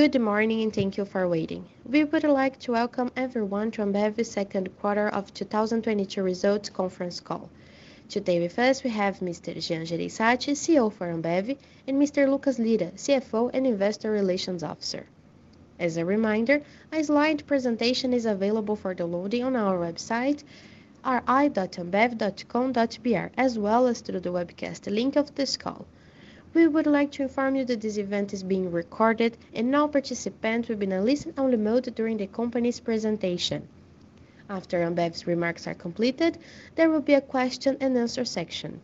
Good morning, and thank you for waiting. We would like to welcome everyone to Ambev's Second Quarter of 2022 Results Conference Call. Today with us we have Mr. Jean Jereissati, CEO for Ambev, and Mr. Lucas Lira, CFO and Investor Relations Officer. As a reminder, a slide presentation is available for downloading on our website, ri.ambev.com.br, as well as through the webcast link of this call. We would like to inform you that this event is being recorded and all participants will be in a listen-only mode during the company's presentation. After Ambev's remarks are completed, there will be a question and answer section.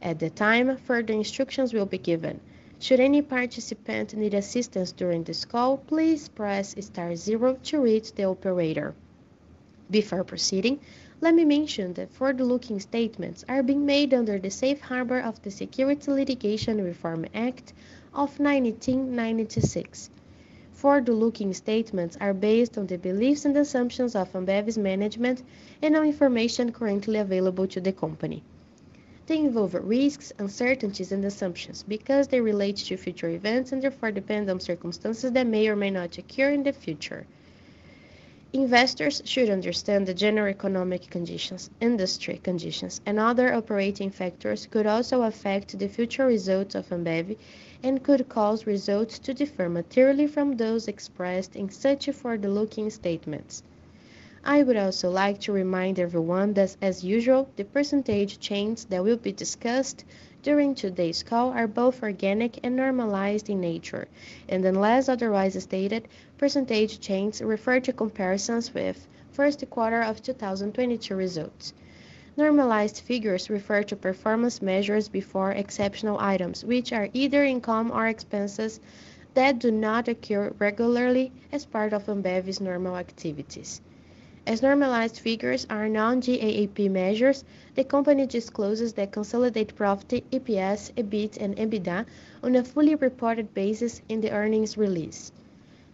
At the time, further instructions will be given. Should any participant need assistance during this call, please press star zero to reach the operator. Before proceeding, let me mention that forward-looking statements are being made under the safe harbor of the Securities Litigation Reform Act of 1996. Forward-looking statements are based on the beliefs and assumptions of Ambev's management and on information currently available to the company. They involve risks, uncertainties, and assumptions because they relate to future events and therefore depend on circumstances that may or may not occur in the future. Investors should understand the general economic conditions, industry conditions, and other operating factors could also affect the future results of Ambev and could cause results to differ materially from those expressed in such forward-looking statements. I would also like to remind everyone that, as usual, the percentage changes that will be discussed during today's call are both organic and normalized in nature, and unless otherwise stated, percentage changes refer to comparisons with first quarter of 2022 results. Normalized figures refer to performance measures before exceptional items, which are either income or expenses that do not occur regularly as part of Ambev's normal activities. As normalized figures are non-GAAP measures, the company discloses that consolidated profit, EPS, EBIT, and EBITDA on a fully reported basis in the earnings release.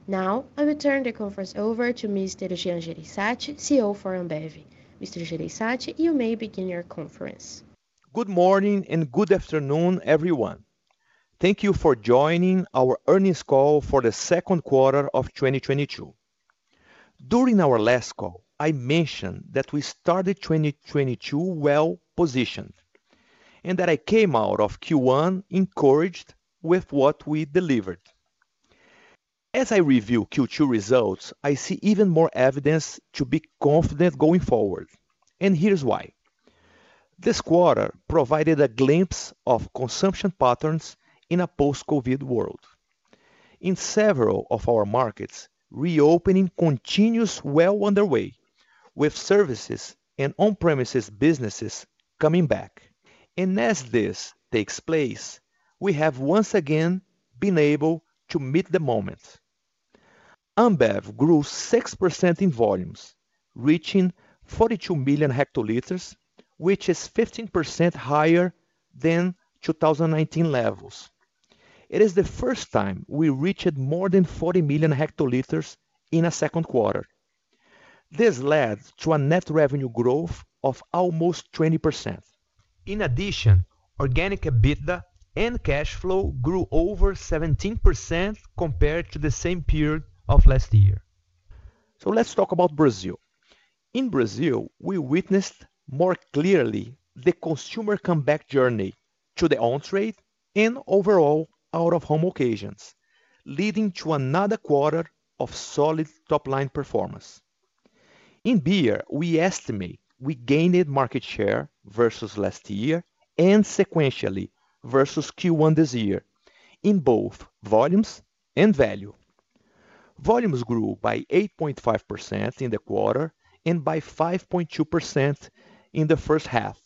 Now, I will turn the conference over to Mr. Jean Jereissati, CEO for Ambev. Mr. Jereissati, you may begin your conference. Good morning and good afternoon, everyone. Thank you for joining our earnings call for the second quarter of 2022. During our last call, I mentioned that we started 2022 well-positioned and that I came out of Q1 encouraged with what we delivered. As I review Q2 results, I see even more evidence to be confident going forward, and here's why. This quarter provided a glimpse of consumption patterns in a post-COVID world. In several of our markets, reopening continues well underway, with services and on-premises businesses coming back. As this takes place, we have once again been able to meet the moment. Ambev grew 6% in volumes, reaching 42 million hectoliters, which is 15% higher than 2019 levels. It is the first time we reached more than 40 million hectoliters in a second quarter. This led to a net revenue growth of almost 20%. In addition, organic EBITDA and cash flow grew over 17% compared to the same period of last year. Let's talk about Brazil. In Brazil, we witnessed more clearly the consumer comeback journey to the on-trade and overall out-of-home occasions, leading to another quarter of solid top-line performance. In beer, we estimate we gained market share versus last year and sequentially versus Q1 this year in both volumes and value. Volumes grew by 8.5% in the quarter and by 5.2% in the first half.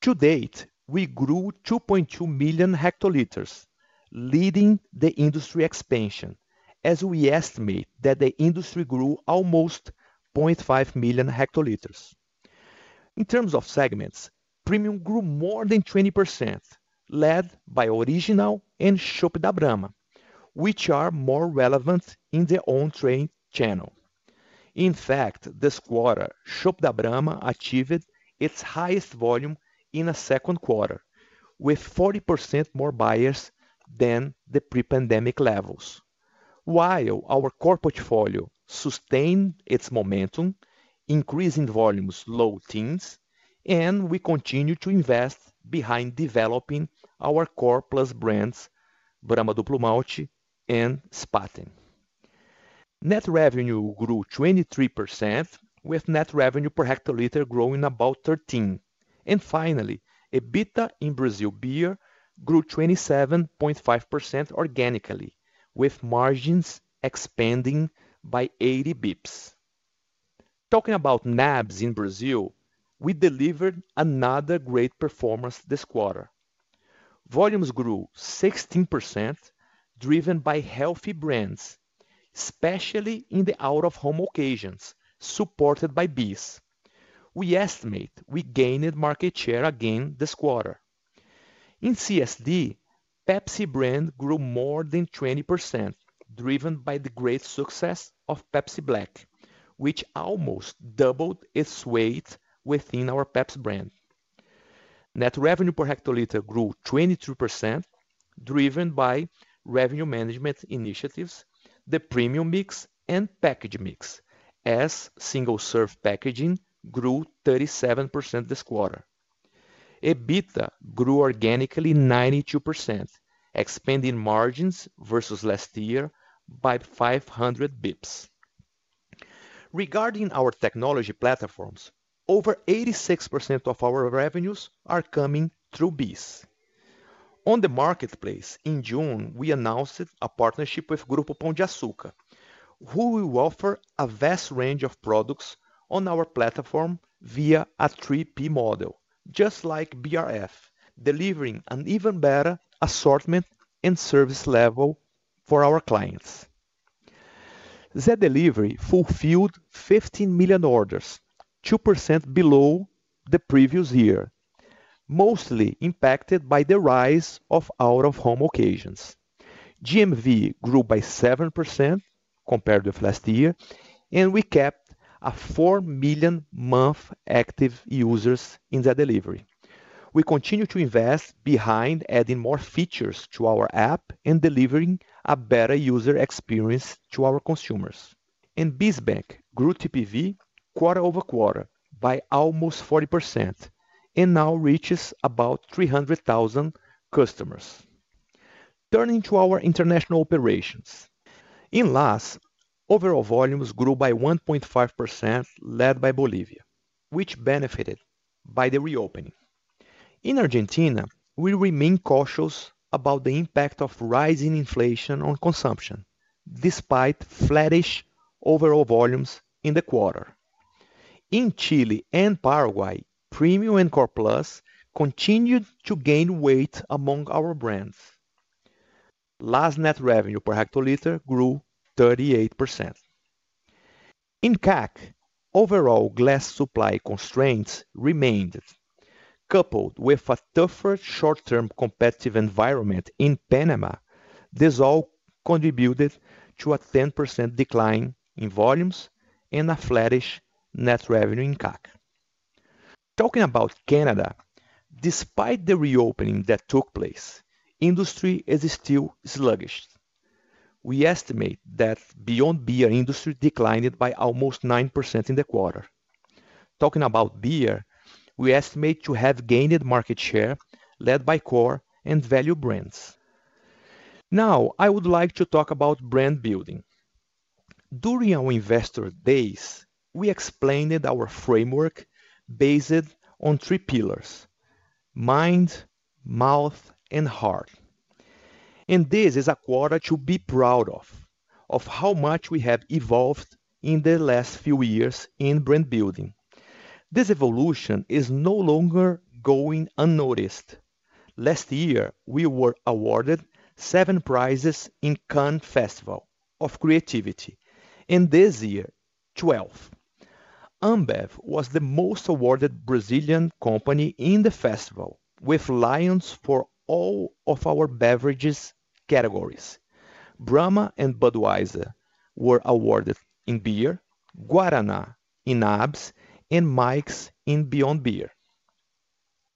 To date, we grew 2.2 million hectoliters, leading the industry expansion, as we estimate that the industry grew almost 0.5 million hectoliters. In terms of segments, premium grew more than 20%, led by Original and Chopp da Brahma, which are more relevant in the on-trade channel. In fact, this quarter, Chopp da Brahma achieved its highest volume in a second quarter, with 40% more buyers than the pre-pandemic levels. While our core portfolio sustained its momentum, increasing volumes low-teens, and we continue to invest behind developing our core plus brands, Brahma Duplo Malte and Spaten. Net revenue grew 23%, with net revenue per hectoliter growing about 13%. Finally, EBITDA in Brazil beer grew 27.5% organically, with margins expanding by 80 basis points. Talking about NABs in Brazil, we delivered another great performance this quarter. Volumes grew 16%, driven by healthy brands, especially in the out-of-home occasions, supported by BEES. We estimate we gained market share again this quarter. In CSD, Pepsi brand grew more than 20%, driven by the great success of Pepsi Black, which almost doubled its weight within our Pepsi brand. Net revenue per hectoliter grew 22%, driven by revenue management initiatives, the premium mix and package mix as single serve packaging grew 37% this quarter. EBITDA grew organically 92%, expanding margins versus last year by 500 basis points. Regarding our technology platforms, over 86% of our revenues are coming through BEES. On the marketplace, in June, we announced a partnership with Grupo Pão de Açúcar, who will offer a vast range of products on our platform via a 3P model, just like BRF, delivering an even better assortment and service level for our clients. Zé Delivery fulfilled 15 million orders, 2% below the previous year, mostly impacted by the rise of out of home occasions. GMV grew by 7% compared with last year, and we kept four million monthly active users in the delivery. We continue to invest behind adding more features to our app and delivering a better user experience to our consumers. BEES Bank grew TPV quarter-over-quarter by almost 40% and now reaches about 300,000 customers. Turning to our international operations. In LAS, overall volumes grew by 1.5%, led by Bolivia, which benefited by the reopening. In Argentina, we remain cautious about the impact of rising inflation on consumption despite flattish overall volumes in the quarter. In Chile and Paraguay, premium and core plus continued to gain weight among our brands. LAS net revenue per hectoliter grew 38%. In CAC, overall glass supply constraints remained, coupled with a tougher short-term competitive environment in Panama. This all contributed to a 10% decline in volumes and a flattish net revenue in CAC. Talking about Canada, despite the reopening that took place, industry is still sluggish. We estimate that beyond beer industry declined by almost 9% in the quarter. Talking about beer, we estimate to have gained market share led by core and value brands. Now, I would like to talk about brand building. During our investor days, we explained our framework based on three pillars: mind, mouth and heart. This is a quarter to be proud of how much we have evolved in the last few years in brand building. This evolution is no longer going unnoticed. Last year, we were awarded seven prizes in Cannes Lions International Festival of Creativity, and this year, 12. Ambev was the most awarded Brazilian company in the festival with Lions for all of our beverages categories. Brahma and Budweiser were awarded in beer, Guaraná in NABs and Mike's in Beyond Beer.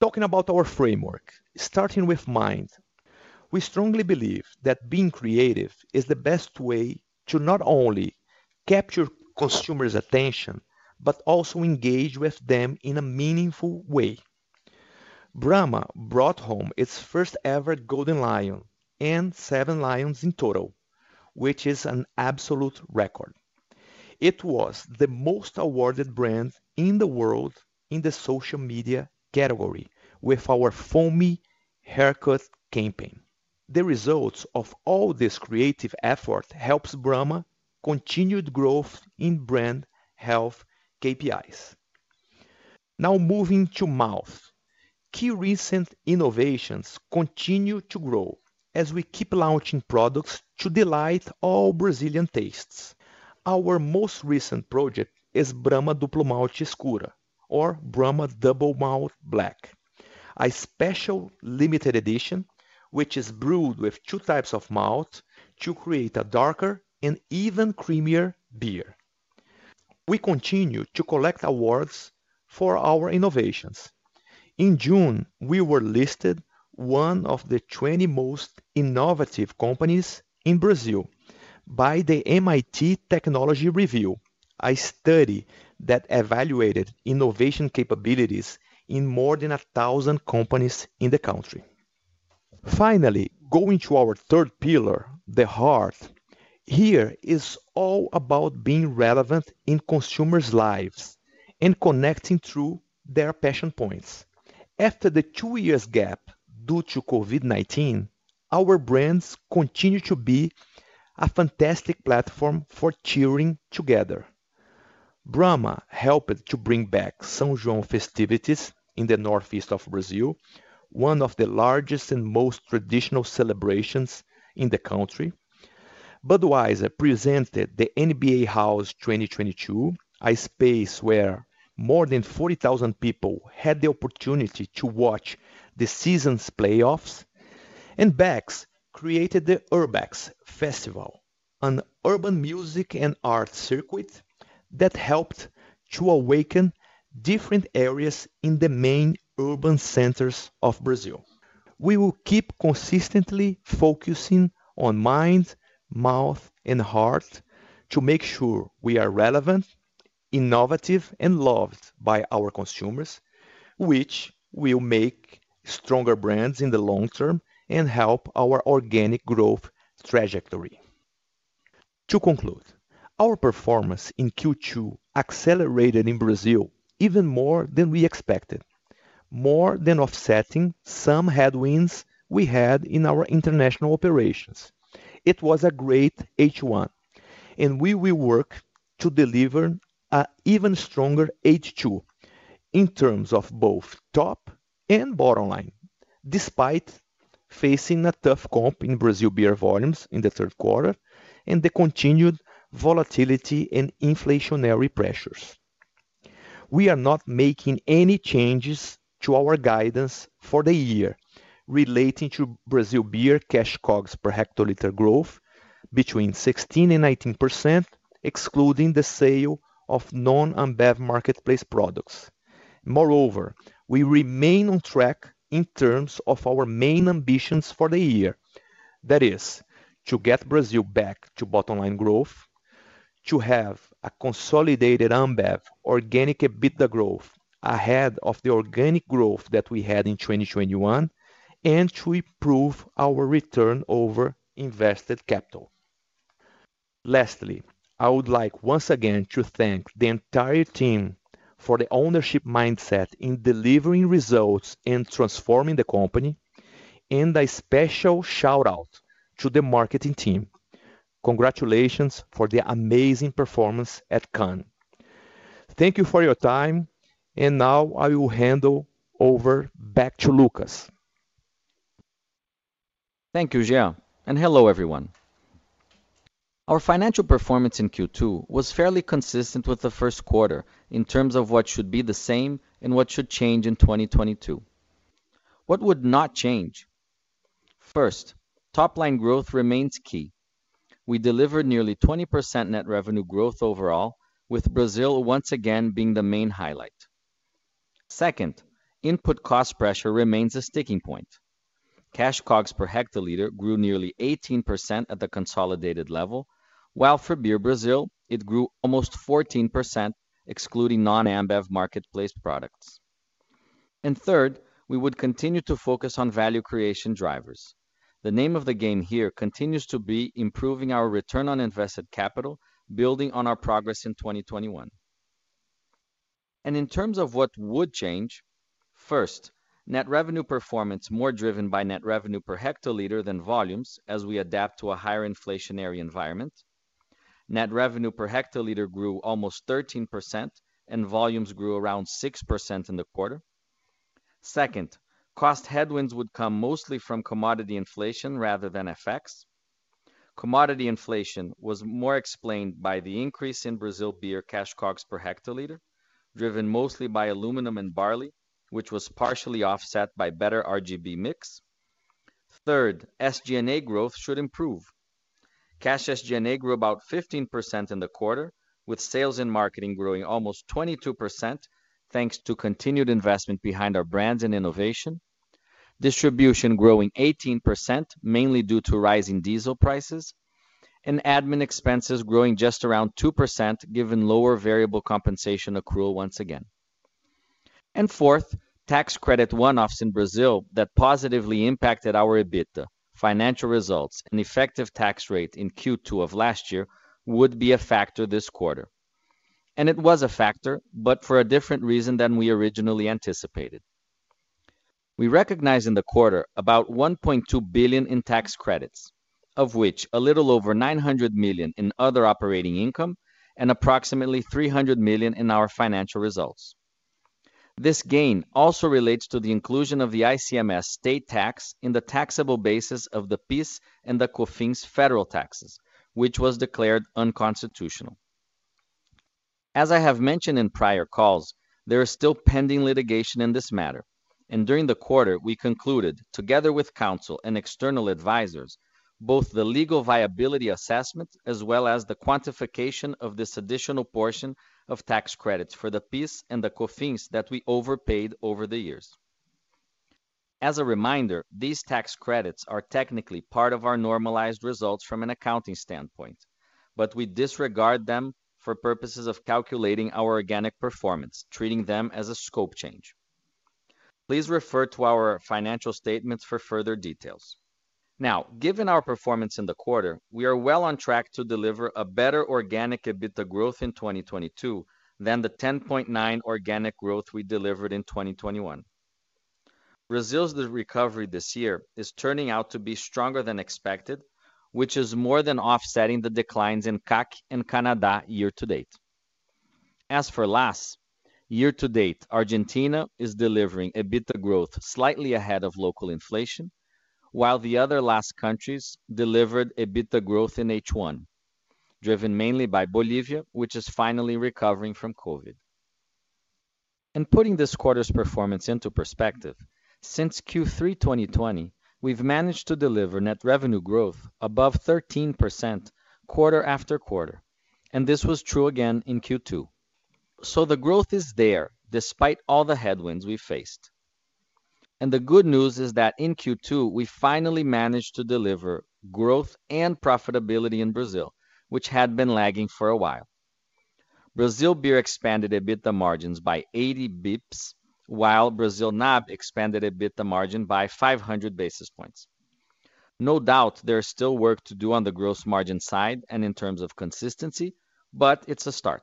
Talking about our framework, starting with mind, we strongly believe that being creative is the best way to not only capture consumers' attention, but also engage with them in a meaningful way. Brahma brought home its first ever Golden Lion and seven lions in total, which is an absolute record. It was the most awarded brand in the world in the social media category with our Foamy Haircut campaign. The results of all this creative effort helps Brahma continued growth in brand health KPIs. Now moving to mouth. Key recent innovations continue to grow as we keep launching products to delight all Brazilian tastes. Our most recent project is Brahma Duplo Malte Escura or Brahma Double Malt Black, a special limited edition which is brewed with two types of malt to create a darker and even creamier beer. We continue to collect awards for our innovations. In June, we were listed one of the 20 most innovative companies in Brazil by the MIT Technology Review, a study that evaluated innovation capabilities in more than 1,000 companies in the country. Finally, going to our third pillar, the heart, here is all about being relevant in consumers' lives and connecting through their passion points. After the two-year gap due to COVID-19, our brands continue to be a fantastic platform for cheering together. Brahma helped to bring back São João festivities in the Northeast of Brazil, one of the largest and most traditional celebrations in the country. Budweiser presented the NBA House 2022, a space where more than 40,000 people had the opportunity to watch the season's playoffs. Beck's created the Urbecks Festival, an urban music and art circuit that helped to awaken different areas in the main urban centers of Brazil. We will keep consistently focusing on mind, mouth, and heart to make sure we are relevant, innovative, and loved by our consumers, which will make stronger brands in the long term and help our organic growth trajectory. To conclude, our performance in Q2 accelerated in Brazil even more than we expected, more than offsetting some headwinds we had in our international operations. It was a great H1, and we will work to deliver an even stronger H2 in terms of both top and bottom line, despite facing a tough comp in Brazil beer volumes in the third quarter and the continued volatility and inflationary pressures. We are not making any changes to our guidance for the year relating to Brazil beer cash COGS per hectoliter growth between 16% and 19%, excluding the sale of non-Ambev marketplace products. Moreover, we remain on track in terms of our main ambitions for the year. That is, to get Brazil back to bottom line growth, to have a consolidated Ambev organic EBITDA growth ahead of the organic growth that we had in 2021, and to improve our return over invested capital. Lastly, I would like once again to thank the entire team for the ownership mindset in delivering results and transforming the company, and a special shout out to the marketing team. Congratulations for the amazing performance at Cannes. Thank you for your time, and now I will hand over back to Lucas. Thank you, Jean, and hello, everyone. Our financial performance in Q2 was fairly consistent with the first quarter in terms of what should be the same and what should change in 2022. What would not change? First, top-line growth remains key. We delivered nearly 20% net revenue growth overall, with Brazil once again being the main highlight. Second, input cost pressure remains a sticking point. Cash COGS per hectoliter grew nearly 18% at the consolidated level, while for Beer Brazil, it grew almost 14%, excluding non-Ambev marketplace products. Third, we would continue to focus on value creation drivers. The name of the game here continues to be improving our return on invested capital, building on our progress in 2021. In terms of what would change, first, net revenue performance more driven by net revenue per hectoliter than volumes as we adapt to a higher inflationary environment. Net revenue per hectoliter grew almost 13% and volumes grew around 6% in the quarter. Second, cost headwinds would come mostly from commodity inflation rather than FX. Commodity inflation was more explained by the increase in Brazil beer cash COGS per hectoliter, driven mostly by aluminum and barley, which was partially offset by better RGB mix. Third, SG&A growth should improve. Cash SG&A grew about 15% in the quarter, with sales and marketing growing almost 22%, thanks to continued investment behind our brands and innovation. Distribution growing 18%, mainly due to rising diesel prices, and admin expenses growing just around 2%, given lower variable compensation accrual once again. Fourth, tax credit one-offs in Brazil that positively impacted our EBITDA, financial results, and effective tax rate in Q2 of last year would be a factor this quarter. It was a factor, but for a different reason than we originally anticipated. We recognized in the quarter about 1.2 billion in tax credits, of which a little over 900 million in other operating income and approximately 300 million in our financial results. This gain also relates to the inclusion of the ICMS state tax in the taxable basis of the PIS and the COFINS federal taxes, which was declared unconstitutional. As I have mentioned in prior calls, there is still pending litigation in this matter, and during the quarter, we concluded, together with counsel and external advisors, both the legal viability assessment as well as the quantification of this additional portion of tax credits for the PIS and the COFINS that we overpaid over the years. As a reminder, these tax credits are technically part of our normalized results from an accounting standpoint, but we disregard them for purposes of calculating our organic performance, treating them as a scope change. Please refer to our financial statements for further details. Given our performance in the quarter, we are well on track to deliver a better organic EBITDA growth in 2022 than the 10.9% organic growth we delivered in 2021. Brazil's recovery this year is turning out to be stronger than expected, which is more than offsetting the declines in CAC and Canada year to date. As for LAS, year to date, Argentina is delivering EBITDA growth slightly ahead of local inflation, while the other LAS countries delivered EBITDA growth in H1, driven mainly by Bolivia, which is finally recovering from COVID. In putting this quarter's performance into perspective, since Q3 2020, we've managed to deliver net revenue growth above 13% quarter after quarter. This was true again in Q2. The growth is there despite all the headwinds we faced. The good news is that in Q2, we finally managed to deliver growth and profitability in Brazil, which had been lagging for a while. Brazil beer expanded EBITDA margins by 80 basis points, while Brazil NAB expanded EBITDA margin by 500 basis points. No doubt, there's still work to do on the gross margin side and in terms of consistency, but it's a start.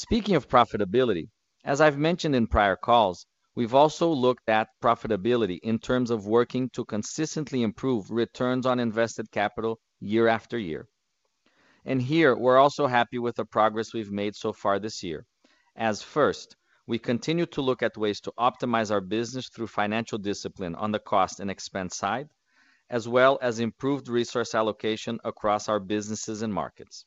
Speaking of profitability, as I've mentioned in prior calls, we've also looked at profitability in terms of working to consistently improve returns on invested capital year after year. Here, we're also happy with the progress we've made so far this year as first, we continue to look at ways to optimize our business through financial discipline on the cost and expense side, as well as improved resource allocation across our businesses and markets.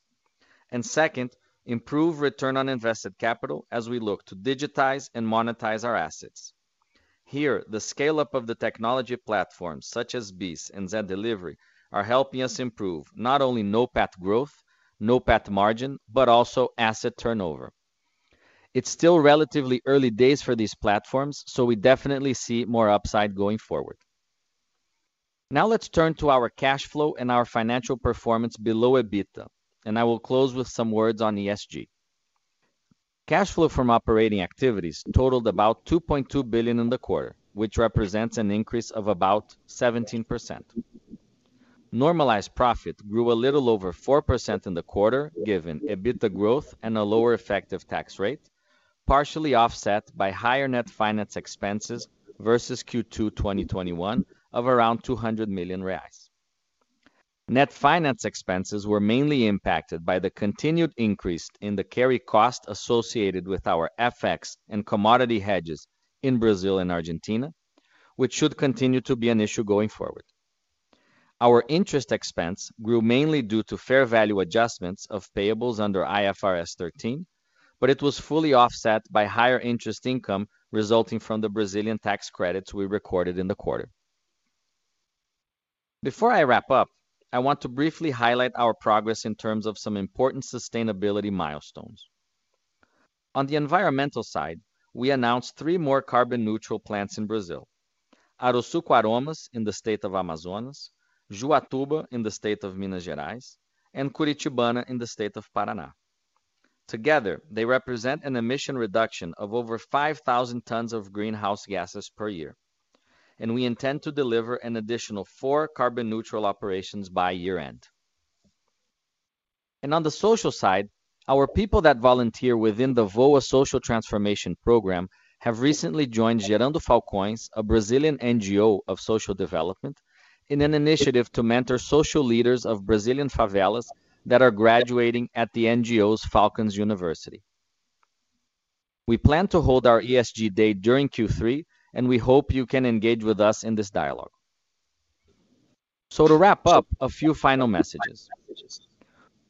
Second, improve return on invested capital as we look to digitize and monetize our assets. Here, the scale-up of the technology platforms such as BEES and Zé Delivery are helping us improve not only NOPAT growth, NOPAT margin, but also asset turnover. It's still relatively early days for these platforms, so we definitely see more upside going forward. Now let's turn to our cash flow and our financial performance below EBITDA, and I will close with some words on ESG. Cash flow from operating activities totaled about 2.2 billion in the quarter, which represents an increase of about 17%. Normalized profit grew a little over 4% in the quarter, given EBITDA growth and a lower effective tax rate, partially offset by higher net finance expenses versus Q2 2021 of around 200 million reais. Net finance expenses were mainly impacted by the continued increase in the carry cost associated with our FX and commodity hedges in Brazil and Argentina, which should continue to be an issue going forward. Our interest expense grew mainly due to fair value adjustments of payables under IFRS 13, but it was fully offset by higher interest income resulting from the Brazilian tax credits we recorded in the quarter. Before I wrap up, I want to briefly highlight our progress in terms of some important sustainability milestones. On the environmental side, we announced three more carbon neutral plants in Brazil. Arosuco Aromas in the state of Amazonas, Juatuba in the state of Minas Gerais, and Curitiba the state of Paraná. Together, they represent an emission reduction of over 5,000 tons of greenhouse gases per year, and we intend to deliver an additional four carbon neutral operations by year-end. On the social side, our people that volunteer within the Voa Social Transformation program have recently joined Gerando Falcões, a Brazilian NGO of social development, in an initiative to mentor social leaders of Brazilian favelas that are graduating at the NGO's Falcões University. We plan to hold our ESG day during Q3, and we hope you can engage with us in this dialogue. To wrap up, a few final messages.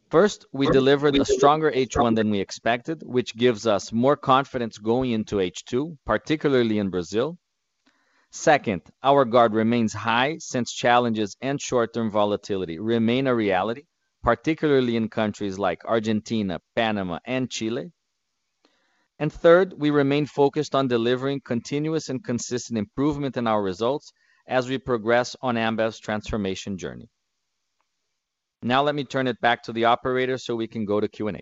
First, we delivered a stronger H1 than we expected, which gives us more confidence going into H2, particularly in Brazil. Second, our guard remains high since challenges and short-term volatility remain a reality, particularly in countries like Argentina, Panama, and Chile. Third, we remain focused on delivering continuous and consistent improvement in our results as we progress on Ambev's transformation journey. Now let me turn it back to the operator so we can go to Q&A.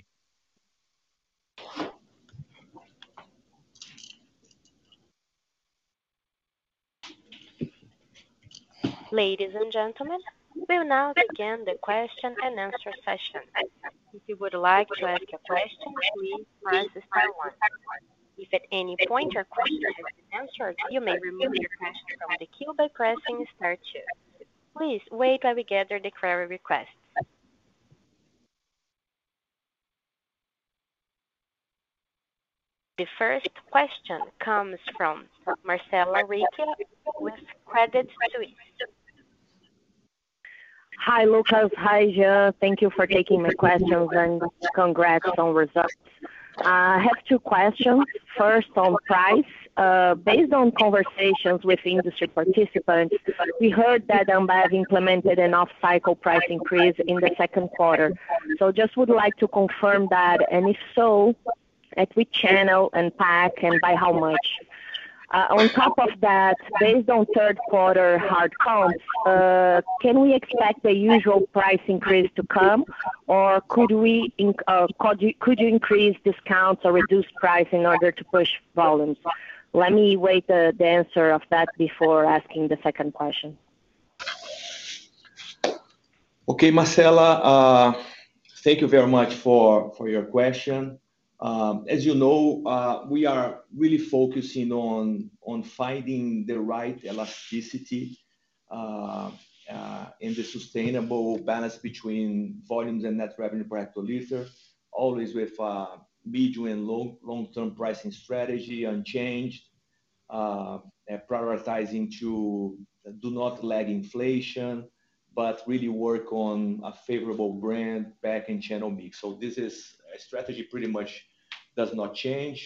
Ladies and gentlemen, we'll now begin the question and answer session. If you would like to ask a question, please press star one. If at any point your question has been answered, you may remove your question from the queue by pressing star two. Please wait while we gather the query requests. The first question comes from Marcella Recchia with Credit Suisse. Hi, Lucas. Hi, Jean. Thank you for taking my questions and congrats on results. I have two questions. First, on price. Based on conversations with industry participants, we heard that Ambev implemented an off-cycle price increase in the second quarter. Just would like to confirm that, and if so, at which channel and pack and by how much? On top of that, based on third quarter hard counts, can we expect the usual price increase to come, or could you increase discounts or reduce price in order to push volumes? Let me wait, the answer of that before asking the second question. Okay, Marcella, thank you very much for your question. As you know, we are really focusing on finding the right elasticity in the sustainable balance between volumes and net revenue per hectoliter, always with mid- to long-term pricing strategy unchanged. Prioritizing to do not lag inflation, but really work on a favorable brand back in channel mix. This is a strategy pretty much does not change.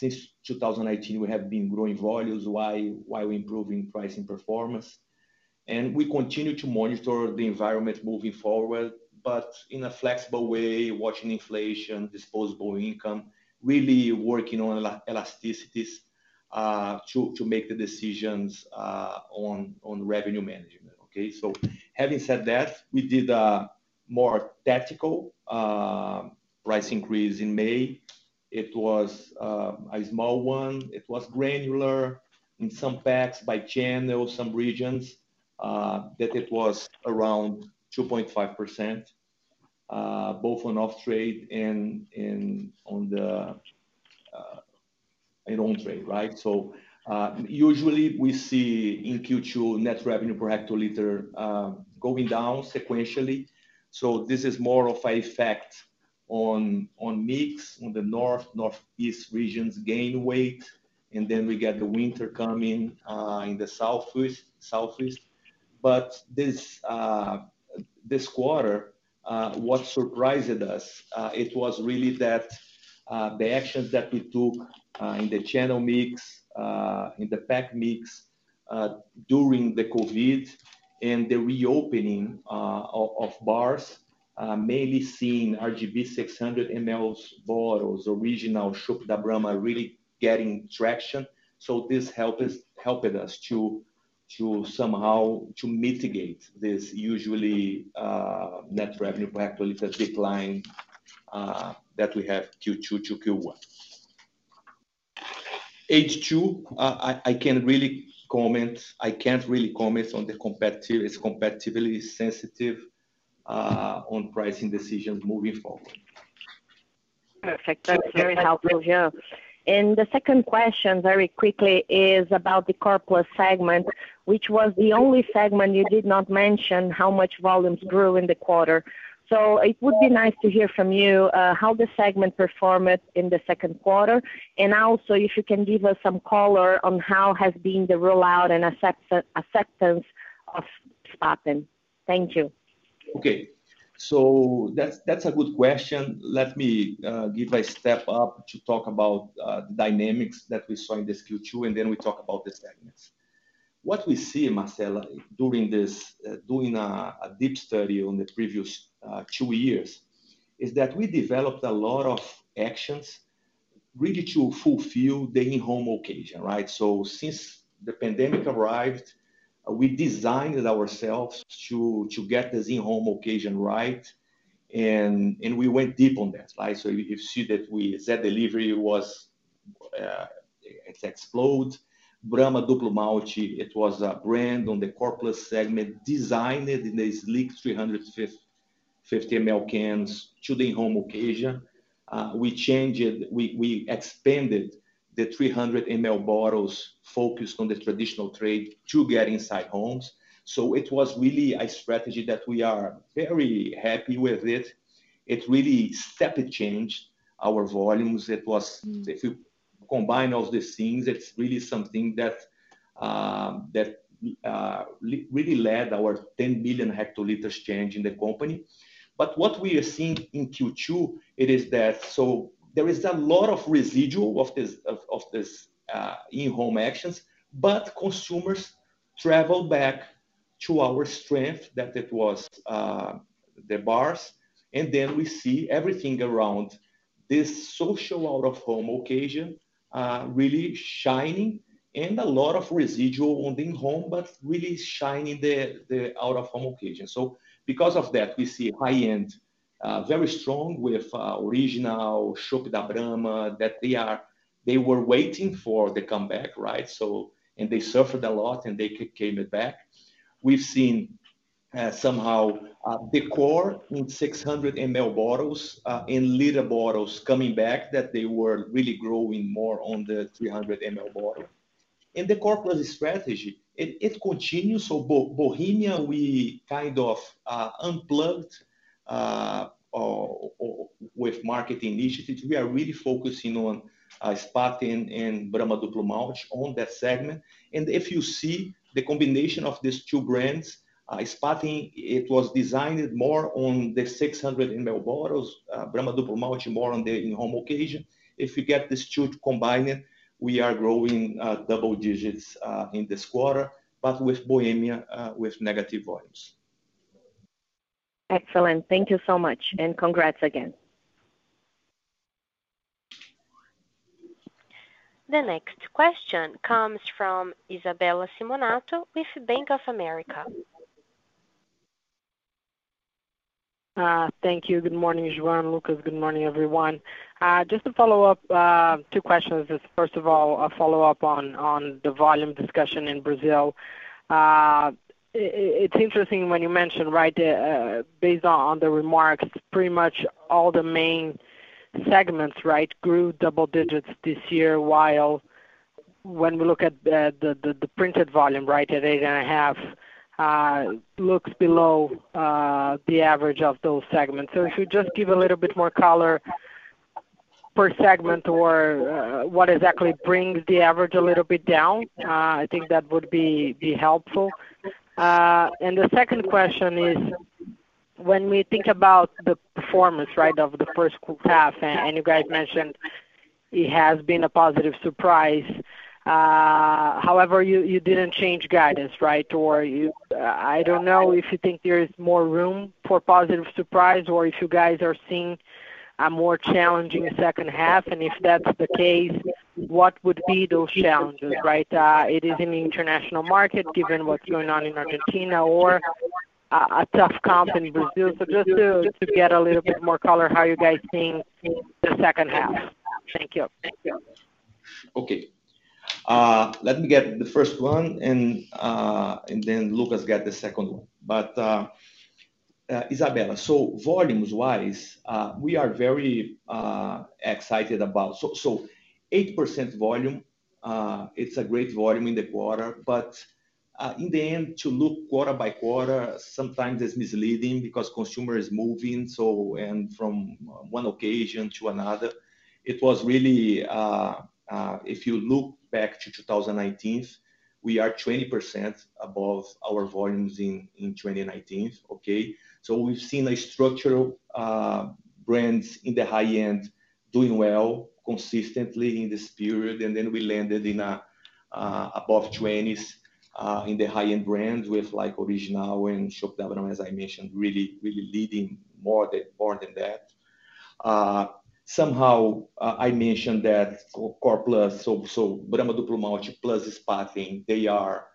Since 2018, we have been growing volumes while improving pricing performance. We continue to monitor the environment moving forward, but in a flexible way, watching inflation, disposable income, really working on elasticities to make the decisions on revenue management. Okay. Having said that, we did a more tactical price increase in May. It was a small one. It was granular in some packs by channel, some regions, that it was around 2.5%, both on off-trade and on on-trade, right? Usually we see in Q2 net revenue per hectoliter going down sequentially. This is more of an effect on mix on the north and northeast regions gaining weight, and then we get the winter coming in the southeast. This quarter, what surprised us, it was really that the actions that we took in the channel mix, in the pack mix, during the COVID and the reopening of bars, mainly seeing RGB 600 mL bottles, Original Chopp da Brahma really getting traction. This is helping us to somehow mitigate this usual net revenue per hectoliter decline that we have Q2 to Q1. H2, I can't really comment on the competitive. It's competitively sensitive on pricing decisions moving forward. Perfect. That's very helpful. Yeah. The second question, very quickly, is about the core plus segment, which was the only segment you did not mention how much volumes grew in the quarter. It would be nice to hear from you how the segment performed in the second quarter, and also if you can give us some color on how has been the rollout and acceptance of Spaten. Thank you. Okay. That's a good question. Let me give a step back to talk about the dynamics that we saw in this Q2, and then we talk about the segments. What we see, Marcella, during this doing a deep study on the previous two years, is that we developed a lot of actions really to fulfill the in-home occasion, right? Since the pandemic arrived, we designed it ourselves to get this in-home occasion right, and we went deep on that, right? You see that we Zé Delivery was it exploded. Brahma Duplo Malte, it was a brand on the core plus segment, designed in a sleek 350 ml cans to the in-home occasion. We changed it. We expanded the 300 ml bottles focused on the traditional trade to get inside homes. It was really a strategy that we are very happy with it. It really step change our volumes. Mm. If you combine all these things, it's really something that really led our 10 billion hectoliters change in the company. What we are seeing in Q2 is that there is a lot of residual of this in-home actions, but consumers traveled back to our strength that it was the bars. We see everything around this social out of home occasion really shining and a lot of residual on the in-home, but really shining the out of home occasion. Because of that, we see high-end very strong with Original, Chopp da Brahma, that they were waiting for the comeback, right? They suffered a lot, and they came back. We've seen somehow the core in 600 ml bottles, in liter bottles coming back, that they were really growing more on the 300 ml bottle. In the core plus strategy, it continues. Bohemia, we kind of unplugged or with marketing initiatives. We are really focusing on Spaten and Brahma Duplo Malte on that segment. If you see the combination of these two brands, Spaten, it was designed more on the 600 ml bottles, Brahma Duplo Malte more on the in-home occasion. If you get these two to combine it, we are growing double digits in this quarter, but with Bohemia, with negative volumes. Excellent. Thank you so much, and congrats again. The next question comes from Isabella Simonato with Bank of America. Thank you. Good morning, Jean and Lucas. Good morning, everyone. Just to follow up, two questions. Just first of all, a follow-up on the volume discussion in Brazil. It's interesting when you mention, right, based on the remarks, pretty much all the main segments, right, grew double digits this year, while when we look at the printed volume, right, at 8.5%, looks below the average of those segments. So if you just give a little bit more color per segment or what exactly brings the average a little bit down, I think that would be helpful. And the second question is, when we think about the performance, right, of the first half, and you guys mentioned it has been a positive surprise. However, you didn't change guidance, right? I don't know if you think there is more room for positive surprise, or if you guys are seeing a more challenging second half. If that's the case, what would be those challenges, right? It is in the international market, given what's going on in Argentina or a tough comp in Brazil. Just to get a little bit more color how you guys think the second half. Thank you. Okay. Let me get the first one and then Lucas get the second one. Isabella, volumes wise, we are very excited about. 8% volume, it's a great volume in the quarter. In the end, to look quarter by quarter sometimes is misleading because consumer is moving so, and from one occasion to another. It was really, if you look back to 2019, we are 20% above our volumes in 2019. Okay? We've seen a structural, brands in the high end doing well consistently in this period. Then we landed in above 20s in the high-end brands with like Original and Chopp da Brahma, as I mentioned, really leading more than that. Somehow, I mentioned that Core Plus, so Brahma Duplo Malte plus Spaten, they are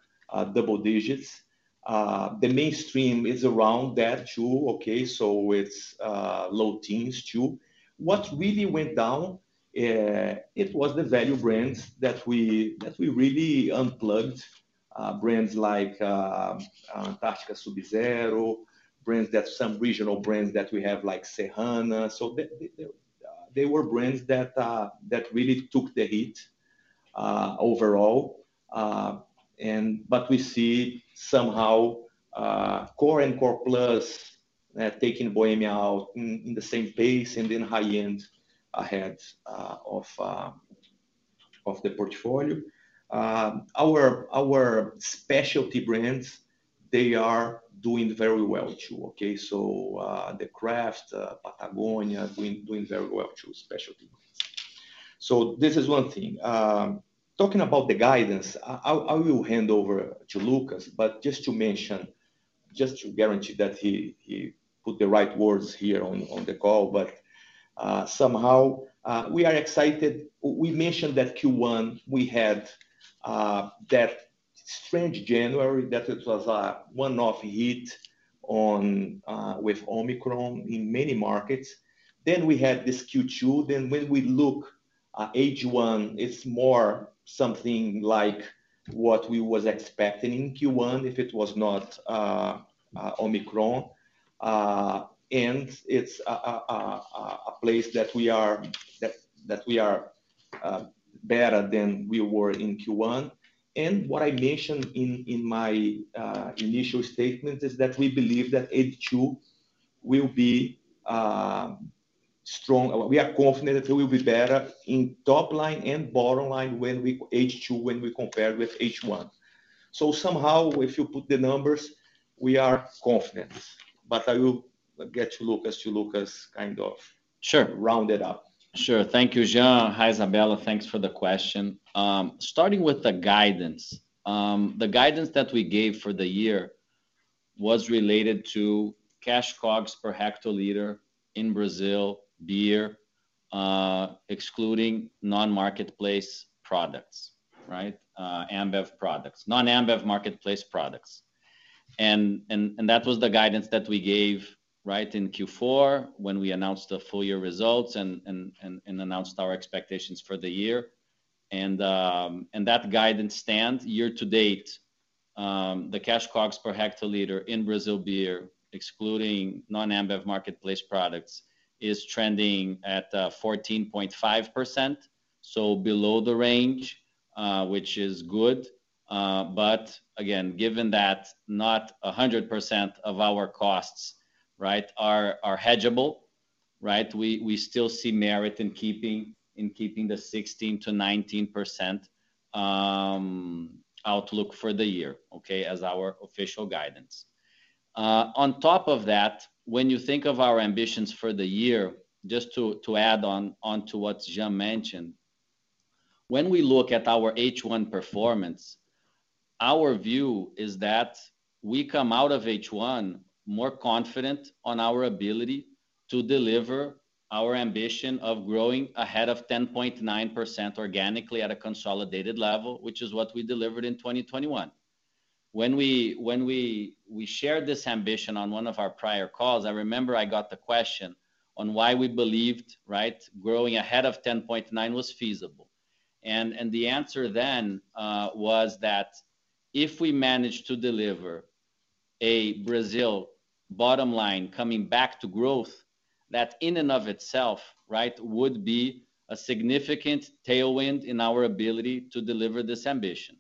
double digits. The mainstream is around that too, okay, so it's low teens too. What really went down, it was the value brands that we really unplugged, brands like Antarctica Subzero, some regional brands that we have like Serrana. They were brands that really took the hit, overall. We see somehow Core and Core Plus taking Bohemia out in the same pace and then high end ahead of the portfolio. Our specialty brands, they are doing very well, too. Okay? The craft, Patagonia doing very well too. Specialty. This is one thing. Talking about the guidance, I will hand over to Lucas, but just to mention, just to guarantee that he put the right words here on the call. Somehow, we are excited. We mentioned that Q1, we had that strange January, that it was a one-off hit on with Omicron in many markets. We had this Q2, when we look at H1, it's more something like what we was expecting in Q1, if it was not Omicron. It's a place that we are better than we were in Q1. What I mentioned in my initial statement is that we believe that H2 will be strong. We are confident that we will be better in top line and bottom line, H2, when we compare with H1. Somehow, if you put the numbers, we are confident. I will get to Lucas kind of. Sure Round it up. Sure. Thank you, Jean. Hi, Isabella. Thanks for the question. Starting with the guidance. The guidance that we gave for the year was related to cash COGS per hectoliter in Brazil beer, excluding non-marketplace products, right? Ambev products. Non-Ambev marketplace products. That was the guidance that we gave right in Q4 when we announced the full year results and announced our expectations for the year. That guidance stand year to date, the cash COGS per hectoliter in Brazil beer, excluding non-Ambev marketplace products, is trending at 14.5%. Below the range, which is good. Again, given that not 100% of our costs, right, are hedgable, right? We still see merit in keeping the 16%-19% outlook for the year, okay, as our official guidance. On top of that, when you think of our ambitions for the year, just to add on to what Jean mentioned. When we look at our H1 performance, our view is that we come out of H1 more confident on our ability to deliver our ambition of growing ahead of 10.9% organically at a consolidated level, which is what we delivered in 2021. When we shared this ambition on one of our prior calls, I remember I got the question on why we believed, right, growing ahead of 10.9% was feasible. The answer then was that if we manage to deliver a Brazil bottom line coming back to growth, that in and of itself, right, would be a significant tailwind in our ability to deliver this ambition.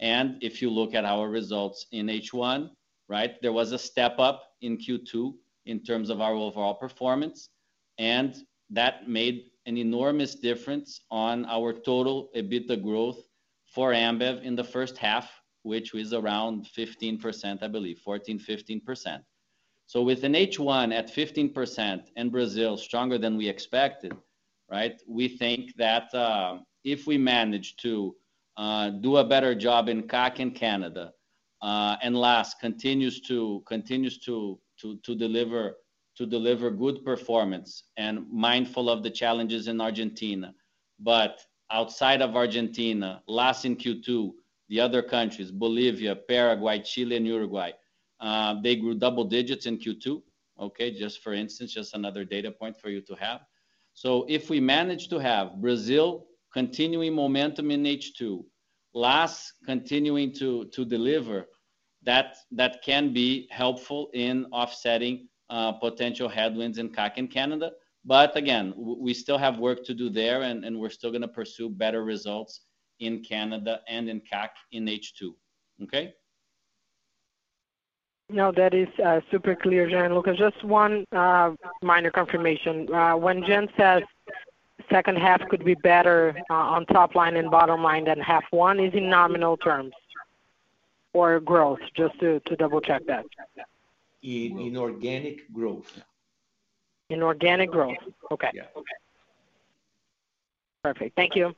If you look at our results in H1, right? There was a step up in Q2 in terms of our overall performance, and that made an enormous difference on our total EBITDA growth for Ambev in the first half, which was around 15%, I believe, 14%-15%. With an H1 at 15% and Brazil stronger than we expected, right? We think that if we manage to do a better job in CAC and Canada, and LAS continues to deliver good performance and mindful of the challenges in Argentina. Outside of Argentina, LAS in Q2, the other countries Bolivia, Paraguay, Chile and Uruguay, they grew double digits in Q2. Okay? Just for instance, just another data point for you to have. If we manage to have Brazil continuing momentum in H2, LAS continuing to deliver, that can be helpful in offsetting potential headwinds in CAC and Canada. Again, we still have work to do there, and we're still gonna pursue better results in Canada and in CAC in H2. Okay? No, that is super clear, Jean. Just one minor confirmation. When Jean says second half could be better on top line and bottom line than half one is in nominal terms or growth, just to double-check that? In organic growth. In organic growth. Yeah. Okay. Perfect. Thank you.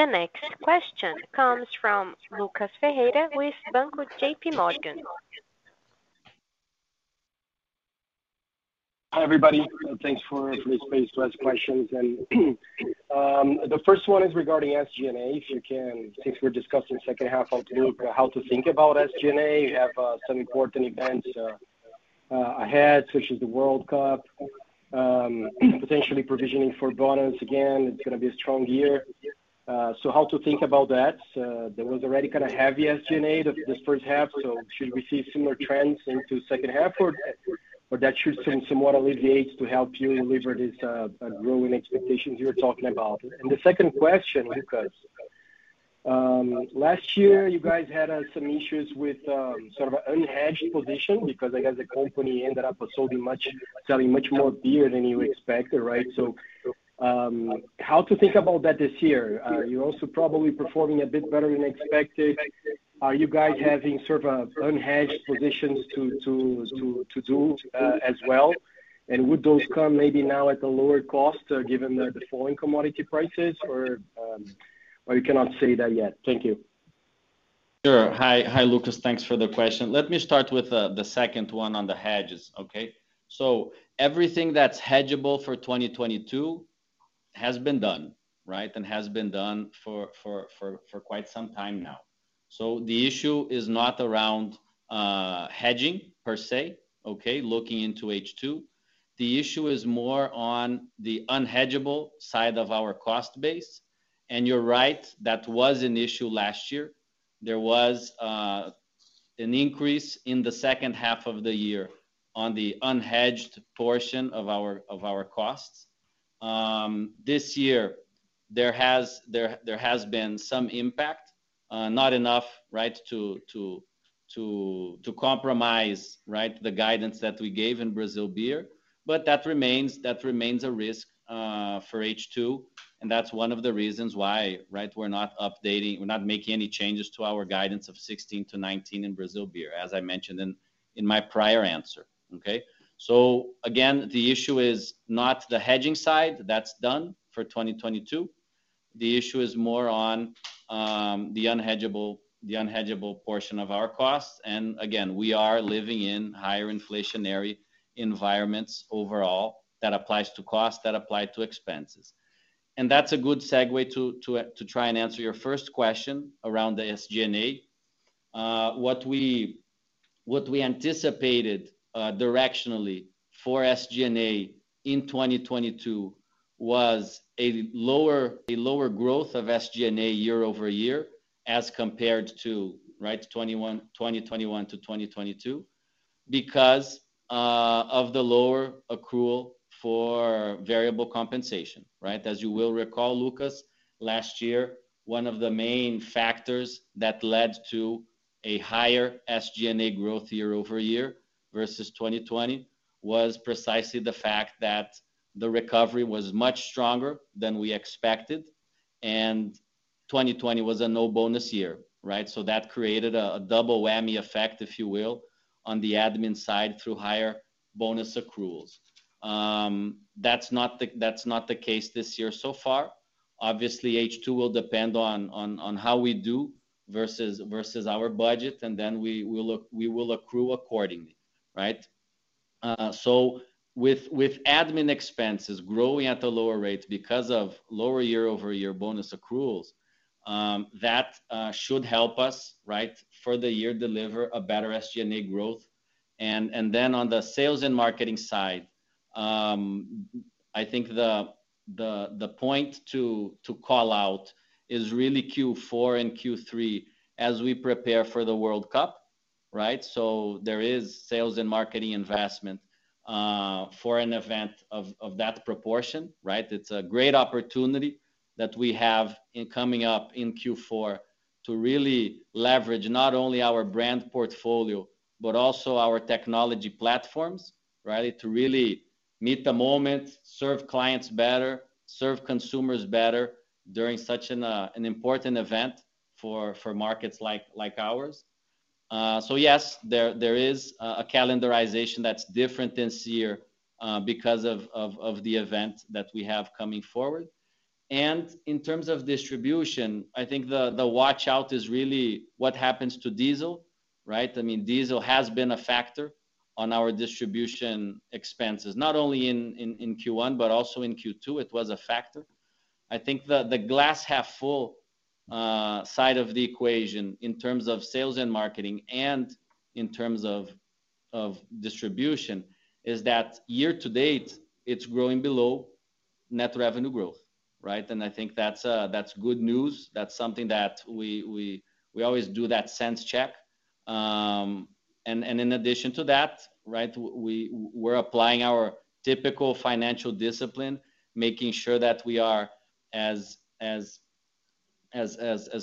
The next question comes from Lucas Ferreira with JPMorgan. Hi, everybody. Thanks for the space to ask questions. The first one is regarding SG&A. If you can, since we're discussing second half, how to look, how to think about SG&A. You have some important events ahead, such as the World Cup, potentially provisioning for bonus. Again, it's gonna be a strong year. So how to think about that? There was already kind of heavy SG&A this first half, so should we see similar trends into second half or that should seem somewhat alleviate to help you deliver this growing expectations you're talking about? The second question, Lucas, last year you guys had some issues with sort of unhedged position because I guess the company ended up selling much more beer than you expected, right? How to think about that this year? You're also probably performing a bit better than expected. Are you guys having sort of unhedged positions to do as well? Would those come maybe now at a lower cost given the falling commodity prices or you cannot say that yet? Thank you. Sure. Hi. Hi, Lucas. Thanks for the question. Let me start with the second one on the hedges. Okay? Everything that's hedgeable for 2022 has been done, right? It has been done for quite some time now. The issue is not around hedging per se, okay, looking into H2. The issue is more on the unhedgeable side of our cost base. You're right, that was an issue last year. There was an increase in the second half of the year on the unhedged portion of our costs. This year there has been some impact, not enough, right, to compromise, right, the guidance that we gave in Brazil Beer. That remains a risk for H2, and that's one of the reasons why, right, we're not updating, we're not making any changes to our guidance of 16-19 in Brazil Beer, as I mentioned in my prior answer. Okay? Again, the issue is not the hedging side. That's done for 2022. The issue is more on the unhedgeable portion of our costs. Again, we are living in higher inflationary environments overall. That applies to costs, that apply to expenses. That's a good segue to try and answer your first question around the SG&A. What we anticipated directionally for SG&A in 2022 was a lower growth of SG&A year-over-year as compared to, right, 2021 to 2022, because of the lower accrual for variable compensation, right? As you will recall, Lucas, last year, one of the main factors that led to a higher SG&A growth year-over-year versus 2020 was precisely the fact that the recovery was much stronger than we expected, and 2020 was a no bonus year, right? That created a double whammy effect, if you will, on the admin side through higher bonus accruals. That's not the case this year so far. Obviously, H2 will depend on how we do versus our budget, and then we will accrue accordingly, right? With admin expenses growing at a lower rate because of lower year-over-year bonus accruals, that should help us, right, for the year deliver a better SG&A growth. On the sales and marketing side, I think the point to call out is really Q4 and Q3 as we prepare for the World Cup, right? There is sales and marketing investment for an event of that proportion, right? It's a great opportunity that we have coming up in Q4 to really leverage not only our brand portfolio, but also our technology platforms, right? To really meet the moment, serve clients better, serve consumers better during such an important event for markets like ours. Yes, there is a calendarization that's different this year, because of the event that we have coming forward. In terms of distribution, I think the watch-out is really what happens to diesel, right? I mean, diesel has been a factor on our distribution expenses, not only in Q1 but also in Q2, it was a factor. I think the glass half full side of the equation in terms of sales and marketing and in terms of distribution is that year to date, it's growing below net revenue growth, right? I think that's good news. That's something that we always do that sense check. In addition to that, right, we're applying our typical financial discipline, making sure that we are as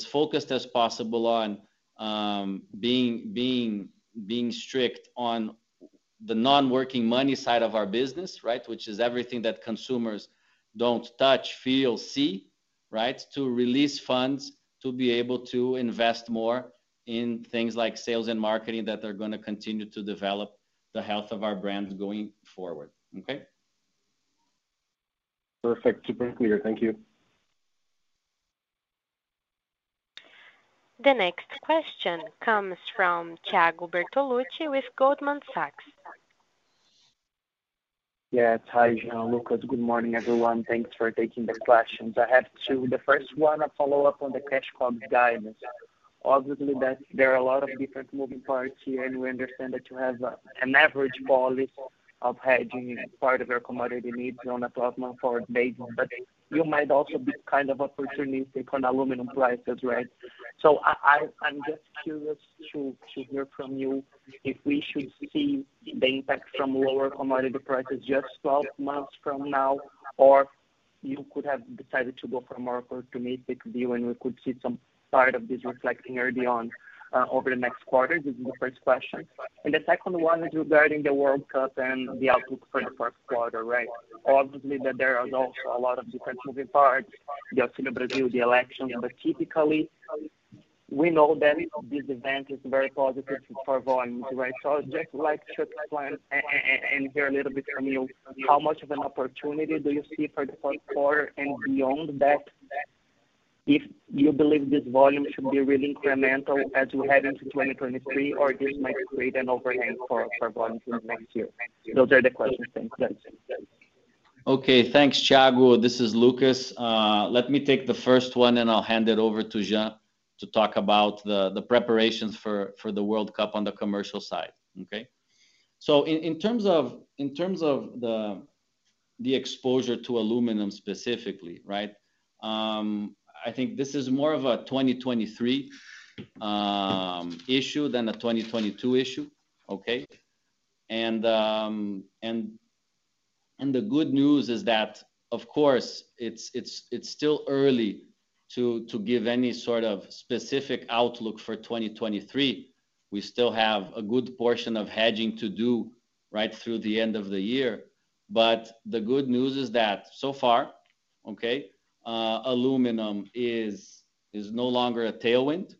focused as possible on being strict on the non-working money side of our business, right? Which is everything that consumers don't touch, feel, see, right? To release funds to be able to invest more in things like sales and marketing that are gonna continue to develop the health of our brands going forward. Okay. Perfect. Super clear. Thank you. The next question comes from Thiago Bortoluci with Goldman Sachs. Yeah. Hi, Jean, Lucas. Good morning, everyone. Thanks for taking the questions. I have two. The first one, a follow-up on the cash cost guidance. Obviously, that there are a lot of different moving parts here, and we understand that you have an average policy of hedging part of your commodity needs on a 12-month forward basis. But you might also be kind of opportunistic on aluminum prices, right? I'm just curious to hear from you if we should see the impact from lower commodity prices just 12 months from now, or you could have decided to go for a more opportunistic view, and we could see some part of this reflecting early on over the next quarter. This is the first question. The second one is regarding the World Cup and the outlook for the fourth quarter, right? Obviously, that there is also a lot of different moving parts, the Auxílio Brasil, the election. Typically, we know that this event is very positive for volumes, right? I'd just like to explain and hear a little bit from you how much of an opportunity do you see for the fourth quarter and beyond that, if you believe this volume should be really incremental as we head into 2023, or this might create an overhang for volumes next year. Those are the questions. Thanks. Thanks, Thiago. This is Lucas. Let me take the first one, and I'll hand it over to Jean to talk about the preparations for the World Cup on the commercial side. In terms of the exposure to aluminum specifically, right? I think this is more of a 2023 issue than a 2022 issue. The good news is that, of course, it's still early to give any sort of specific outlook for 2023. We still have a good portion of hedging to do right through the end of the year. The good news is that so far, aluminum is no longer a tailwind.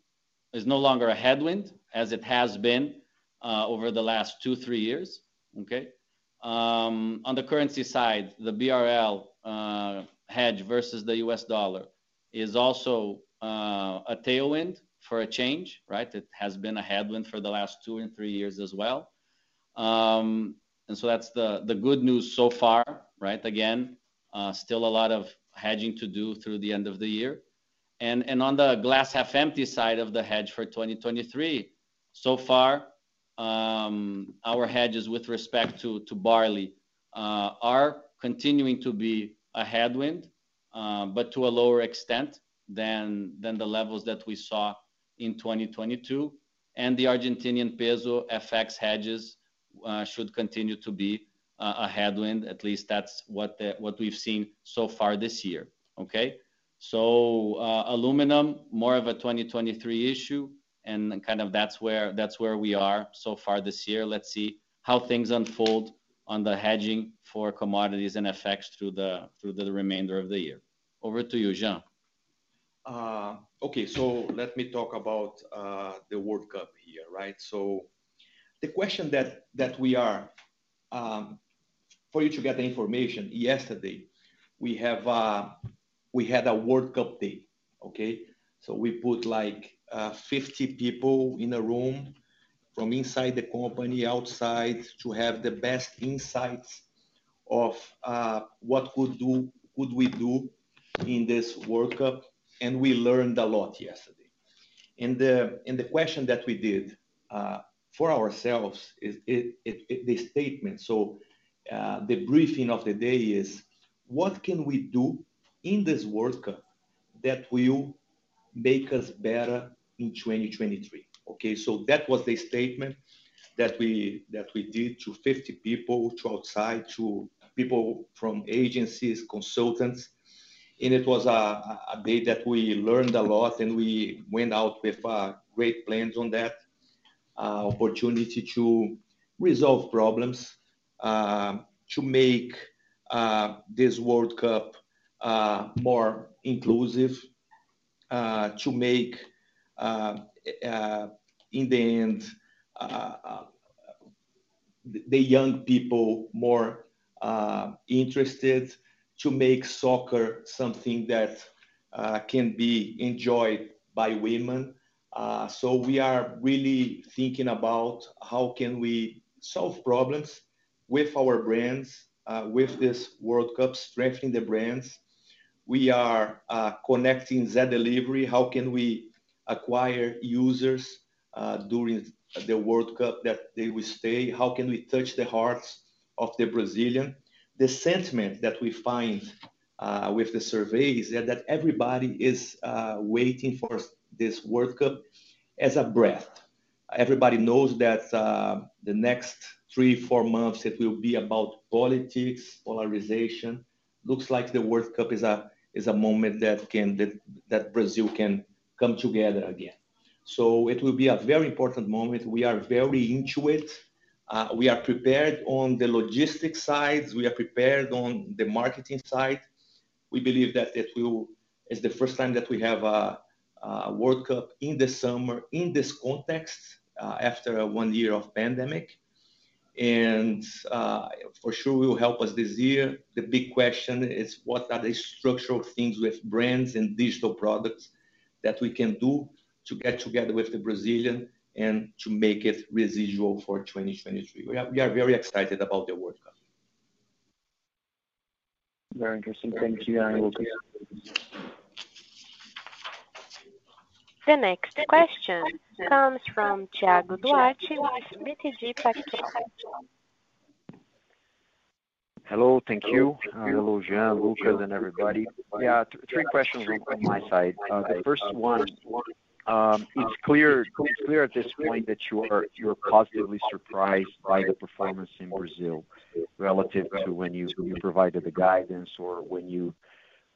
It is no longer a headwind as it has been over the last two, three years. On the currency side, the BRL hedge versus the US dollar is also a tailwind for a change, right? It has been a headwind for the last two and three years as well. That's the good news so far, right? Again, still a lot of hedging to do through the end of the year. On the glass half empty side of the hedge for 2023, so far, our hedges with respect to barley are continuing to be a headwind, but to a lower extent than the levels that we saw in 2022. The Argentine peso FX hedges should continue to be a headwind, at least that's what we've seen so far this year. Okay? Aluminum, more of a 2023 issue, and kind of that's where we are so far this year. Let's see how things unfold on the hedging for commodities and FX through the remainder of the year. Over to you, Jean. Okay. Let me talk about the World Cup here, right? The question that we are for you to get the information, yesterday, we had a World Cup day, okay? We put, like, 50 people in a room from inside the company, outside, to have the best insights of what could we do in this World Cup, and we learned a lot yesterday. The question that we did for ourselves is the statement. The briefing of the day is, what can we do in this World Cup that will make us better in 2023? That was the statement that we did to 50 people, to outside, to people from agencies, consultants. It was a day that we learned a lot, and we went out with great plans on that. Opportunity to resolve problems, to make this World Cup more inclusive, to make, in the end, the young people more interested. To make soccer something that can be enjoyed by women. We are really thinking about how can we solve problems with our brands, with this World Cup, strengthening the brands. We are connecting Zé Delivery. How can we acquire users during the World Cup that they will stay? How can we touch the hearts of the Brazilian? The sentiment that we find with the survey is that everybody is waiting for this World Cup as a breath. Everybody knows that, the next three, four months, it will be about politics, polarization. Looks like the World Cup is a moment that Brazil can come together again. It will be a very important moment. We are very into it. We are prepared on the logistics side. We are prepared on the marketing side. We believe that it will. It's the first time that we have a World Cup in the summer, in this context, after one year of pandemic. For sure it will help us this year. The big question is what are the structural things with brands and digital products that we can do to get together with the Brazilian and to make it resilient for 2023. We are very excited about the World Cup. Very interesting. Thank you, Jean and Lucas. The next question comes from Thiago Duarte with BTG Pactual. Hello. Thank you. Hello, Jean, Lucas and everybody. Yeah, three questions from my side. The first one, it's clear at this point that you're positively surprised by the performance in Brazil relative to when you provided the guidance or when you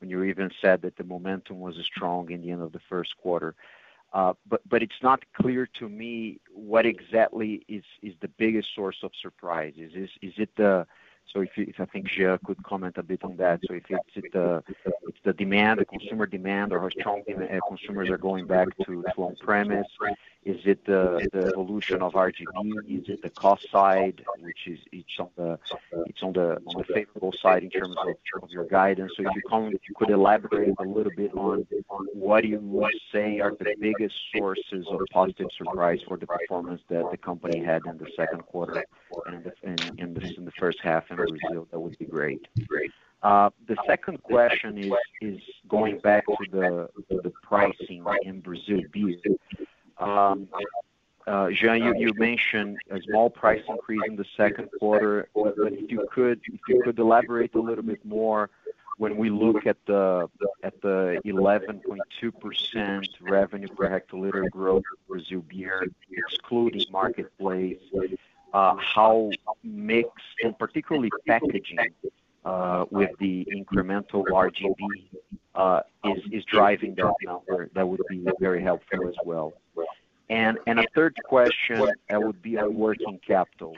even said that the momentum was strong in the end of the first quarter. But it's not clear to me what exactly is the biggest source of surprise. I think Jean could comment a bit on that. If it's the demand, the consumer demand or how strong the consumers are going back to on-premise. Is it the evolution of RGB? Is it the cost side, which is on the favorable side in terms of your guidance. If you could elaborate a little bit on what you would say are the biggest sources of positive surprise for the performance that the company had in the second quarter and the first half in Brazil, that would be great. The second question is going back to the pricing in Brazil beer. Jean, you mentioned a small price increase in the second quarter. If you could elaborate a little bit more when we look at the 11.2% revenue per hectoliter growth for Brazil beer, excluding Marketplace, how mix and particularly packaging with the incremental RGB is driving that number, that would be very helpful as well. A third question would be on working capital.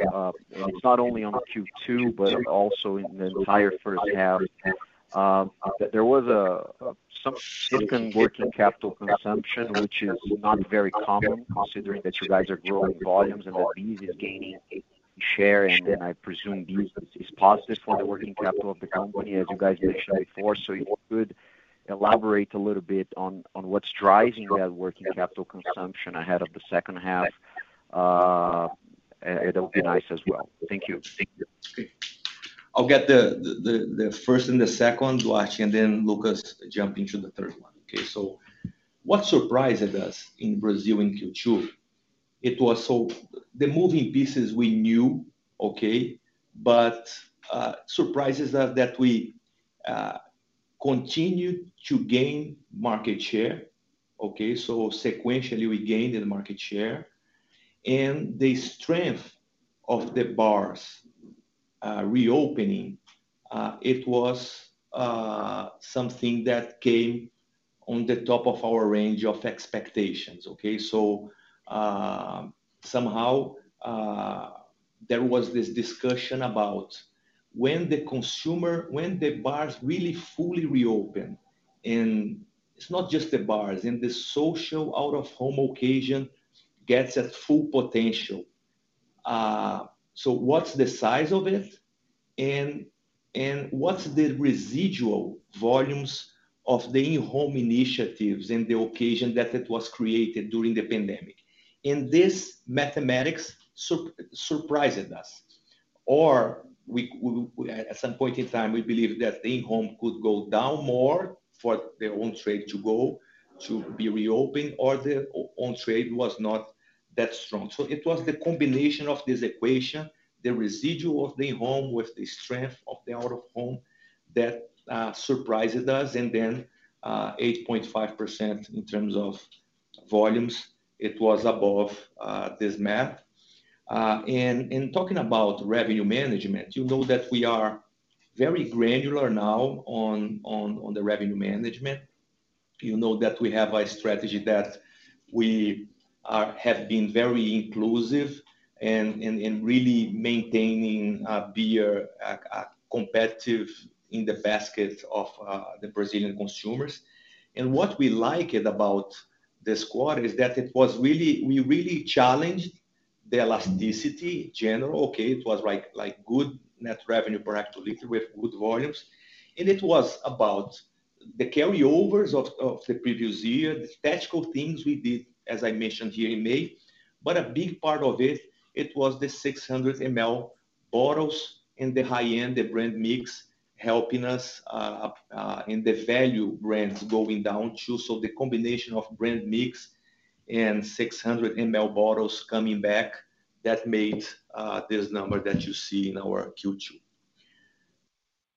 It's not only on the Q2, but also in the entire first half. There was some significant working capital consumption, which is not very common considering that you guys are growing volumes and that beer is gaining share, and I presume beer is positive for the working capital of the company, as you guys mentioned before. If you could elaborate a little bit on what's driving that working capital consumption ahead of the second half, it'll be nice as well. Thank you. I'll get the first and the second, Duarte, and then Lucas jumps into the third one. Okay, what surprised us in Brazil in Q2? It was. The moving pieces we knew, okay? Surprises are that we continued to gain market share, okay? Sequentially, we gained in market share. The strength of the bars reopening, it was something that came on the top of our range of expectations, okay? Somehow, there was this discussion about when the bars really fully reopen, and it's not just the bars, and the social out-of-home occasion gets at full potential. What's the size of it and what's the residual volumes of the in-home initiatives and the occasion that it was created during the pandemic? This mathematics surprised us. We at some point in time believe that in-home could go down more for the on-trade to go, to be reopened or the on-trade was not that strong. It was the combination of this equation, the residual of the in-home with the strength of the out-of-home that surprises us. Then, 8.5% in terms of volumes, it was above this math. Talking about revenue management, you know that we are very granular now on the revenue management. You know that we have a strategy that we have been very inclusive and really maintaining beer competitive in the basket of the Brazilian consumers. What we liked about this quarter is that we really challenged the elasticity generally. Okay, it was like good net revenue per actual liter with good volumes. It was about the carryovers of the previous year, the tactical things we did, as I mentioned here in May. A big part of it was the 600 ml bottles and the high-end, the brand mix helping us, and the value brands going down too. The combination of brand mix and 600 ml bottles coming back, that made this number that you see in our Q2.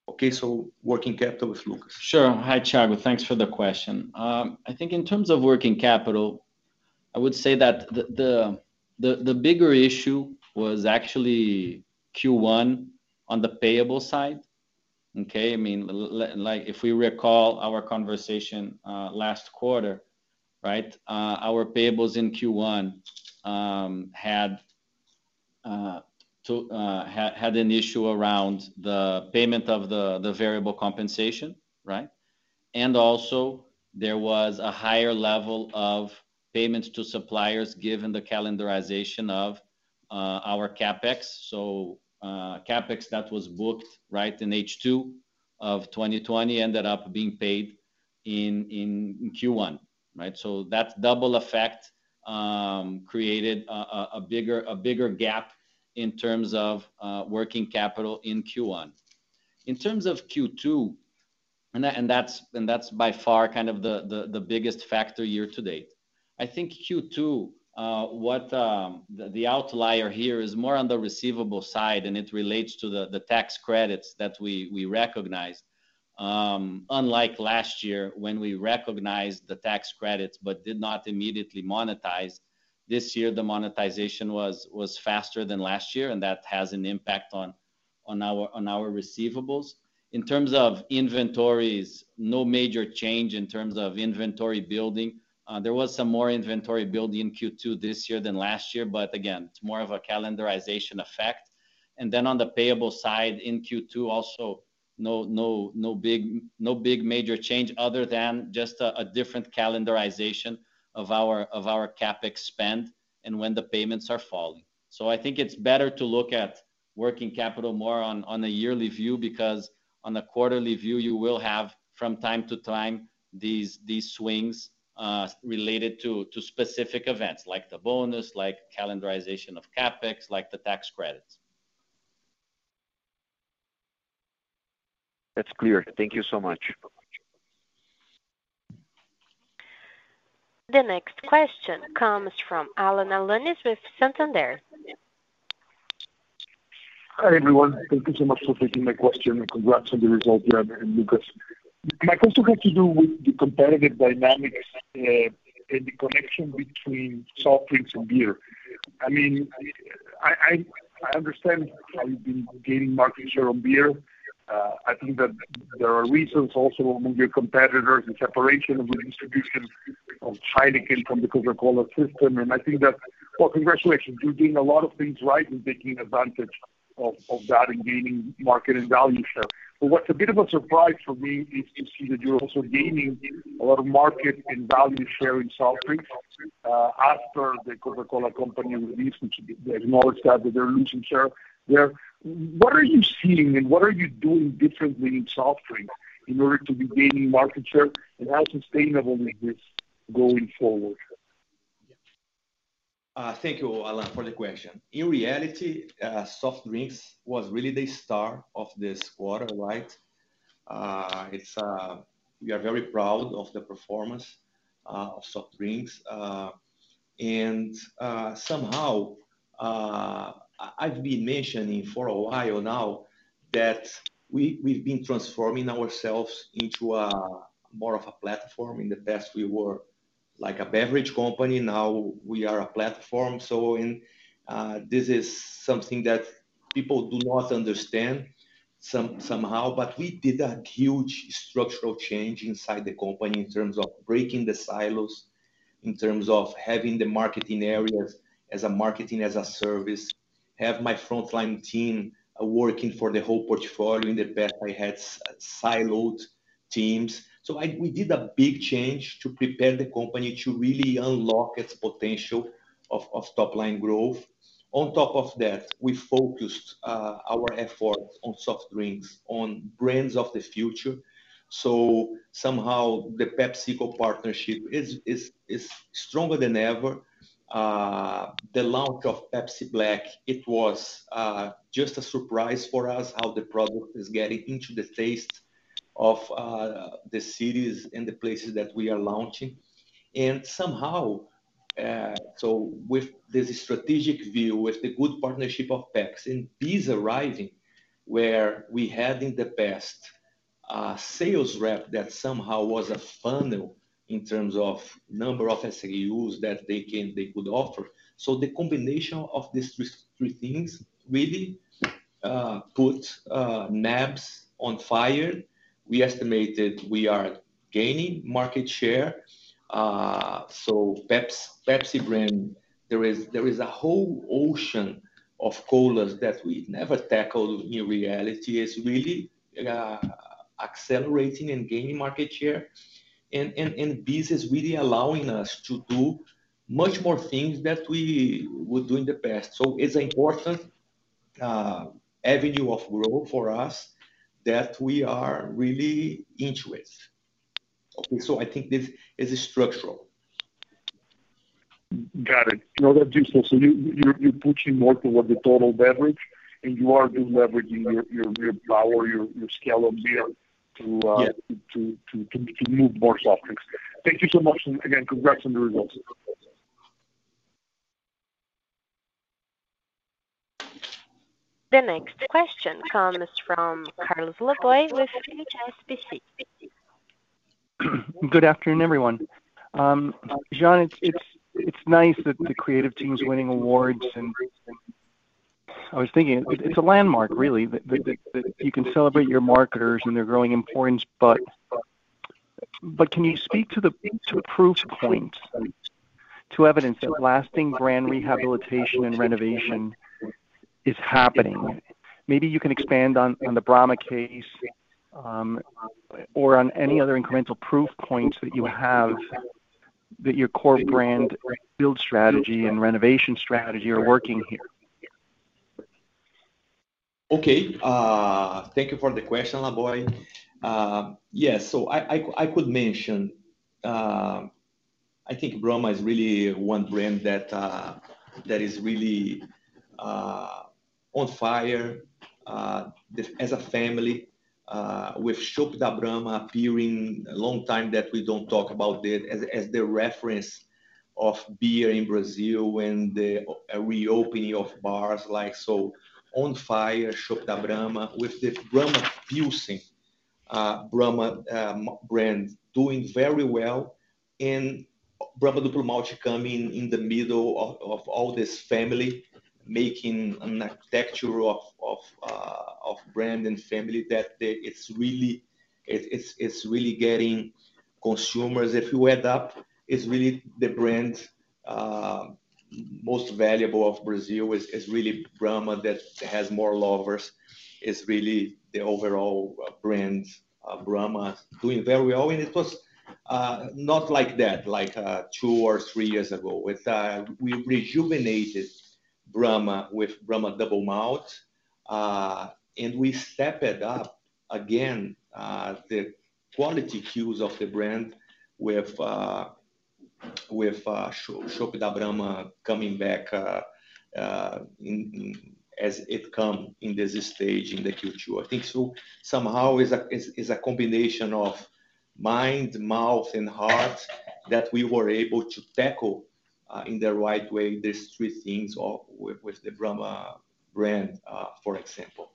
Okay, so working capital with Lucas. Sure. Hi, Thiago. Thanks for the question. I think in terms of working capital, I would say that the bigger issue was actually Q1 on the payable side. Okay? I mean, like, if we recall our conversation last quarter, right? Our payables in Q1 had an issue around the payment of the variable compensation, right? And also there was a higher level of payments to suppliers given the calendarization of our CapEx. So, CapEx that was booked right in H2 of 2020 ended up being paid in Q1, right? So that double effect created a bigger gap in terms of working capital in Q1. In terms of Q2, and that's by far kind of the biggest factor year to date. I think Q2, the outlier here is more on the receivable side, and it relates to the tax credits that we recognized. Unlike last year, when we recognized the tax credits but did not immediately monetize. This year, the monetization was faster than last year, and that has an impact on our receivables. In terms of inventories, no major change in terms of inventory building. There was some more inventory building in Q2 this year than last year, but again, it's more of a calendarization effect. Then on the payable side in Q2 also, no big major change other than just a different calendarization of our CapEx spend and when the payments are falling. I think it's better to look at working capital more on a yearly view, because on a quarterly view, you will have from time to time these swings related to specific events like the bonus, like calendarization of CapEx, like the tax credits. That's clear. Thank you so much. The next question comes from Alan Alanis with Santander. Hi, everyone. Thank you so much for taking my question, and congrats on the result, Jean and Lucas. My question has to do with the competitive dynamics and the connection between soft drinks and beer. I mean, I understand how you've been gaining market share on beer. I think that there are reasons also among your competitors, the separation of the distribution of Heineken from the Coca-Cola system. I think that. Well, congratulations, you're doing a lot of things right and taking advantage of that and gaining market and value share. What's a bit of a surprise for me is to see that you're also gaining a lot of market and value share in soft drinks after the Coca-Cola Company release, which they acknowledged that they're losing share there. What are you seeing, and what are you doing differently in soft drinks in order to be gaining market share, and how sustainable is this going forward? Thank you, Alan Alanis, for the question. In reality, soft drinks was really the star of this quarter, right? We are very proud of the performance of soft drinks. Somehow, I've been mentioning for a while now that we've been transforming ourselves into more of a platform. In the past, we were like a beverage company. Now we are a platform. This is something that people do not understand somehow. We did a huge structural change inside the company in terms of breaking the silos, in terms of having the marketing areas as a marketing as a service, have my frontline team working for the whole portfolio. In the past, I had siloed teams. We did a big change to prepare the company to really unlock its potential of top-line growth. On top of that, we focused our efforts on soft drinks, on brands of the future. Somehow the PepsiCo partnership is stronger than ever. The launch of Pepsi Black, it was just a surprise for us how the product is getting into the taste of the cities and the places that we are launching. Somehow with this strategic view, with the good partnership of Pepsi and BEES rising, where we had in the past a sales rep that somehow was a funnel in terms of number of SKUs that they could offer. The combination of these three things really put NABs on fire. We estimated we are gaining market share. Pepsi brand, there is a whole ocean of colas that we never tackled in reality. It's really accelerating and gaining market share. Business really allowing us to do much more things that we would do in the past. It's important avenue of growth for us that we are really into it. Okay. I think this is structural. Got it. No, that's useful. You're pushing more toward the total beverage, and you are deleveraging your power, your scale of beer to Yeah. to move more soft drinks. Thank you so much. Again, congrats on the results. The next question comes from Carlos Laboy with HSBC. Good afternoon, everyone. Jean, it's nice that the creative team's winning awards, and I was thinking it's a landmark really that you can celebrate your marketers and their growing importance, but can you speak to the proof points to evidence that lasting brand rehabilitation and renovation is happening? Maybe you can expand on the Brahma case, or on any other incremental proof points that you have that your core brand build strategy and renovation strategy are working here. Okay. Thank you for the question, Laboy. Yes. I could mention, I think Brahma is really one brand that is really on fire, as a family, with Chopp da Brahma appearing a long time that we don't talk about it as the reference of beer in Brazil when the reopening of bars like so on fire, Chopp da Brahma with the Brahma Fusão, Brahma brand doing very well and Brahma Duplo Malte coming in the middle of all this family, making an architecture of brand and family that it's really. It's really getting consumers. If you add up, it's really the brand most valuable of Brazil is really Brahma that has more lovers. It's really the overall brand of Brahma doing very well. It was not like that like two or three years ago. We rejuvenated Brahma with Brahma Duplo Malte and we stepped up again the quality cues of the brand with Chopp da Brahma coming back in as it came in this stage in the Q2. I think somehow is a combination of mind, mouth and heart that we were able to tackle in the right way these three things of with the Brahma brand for example.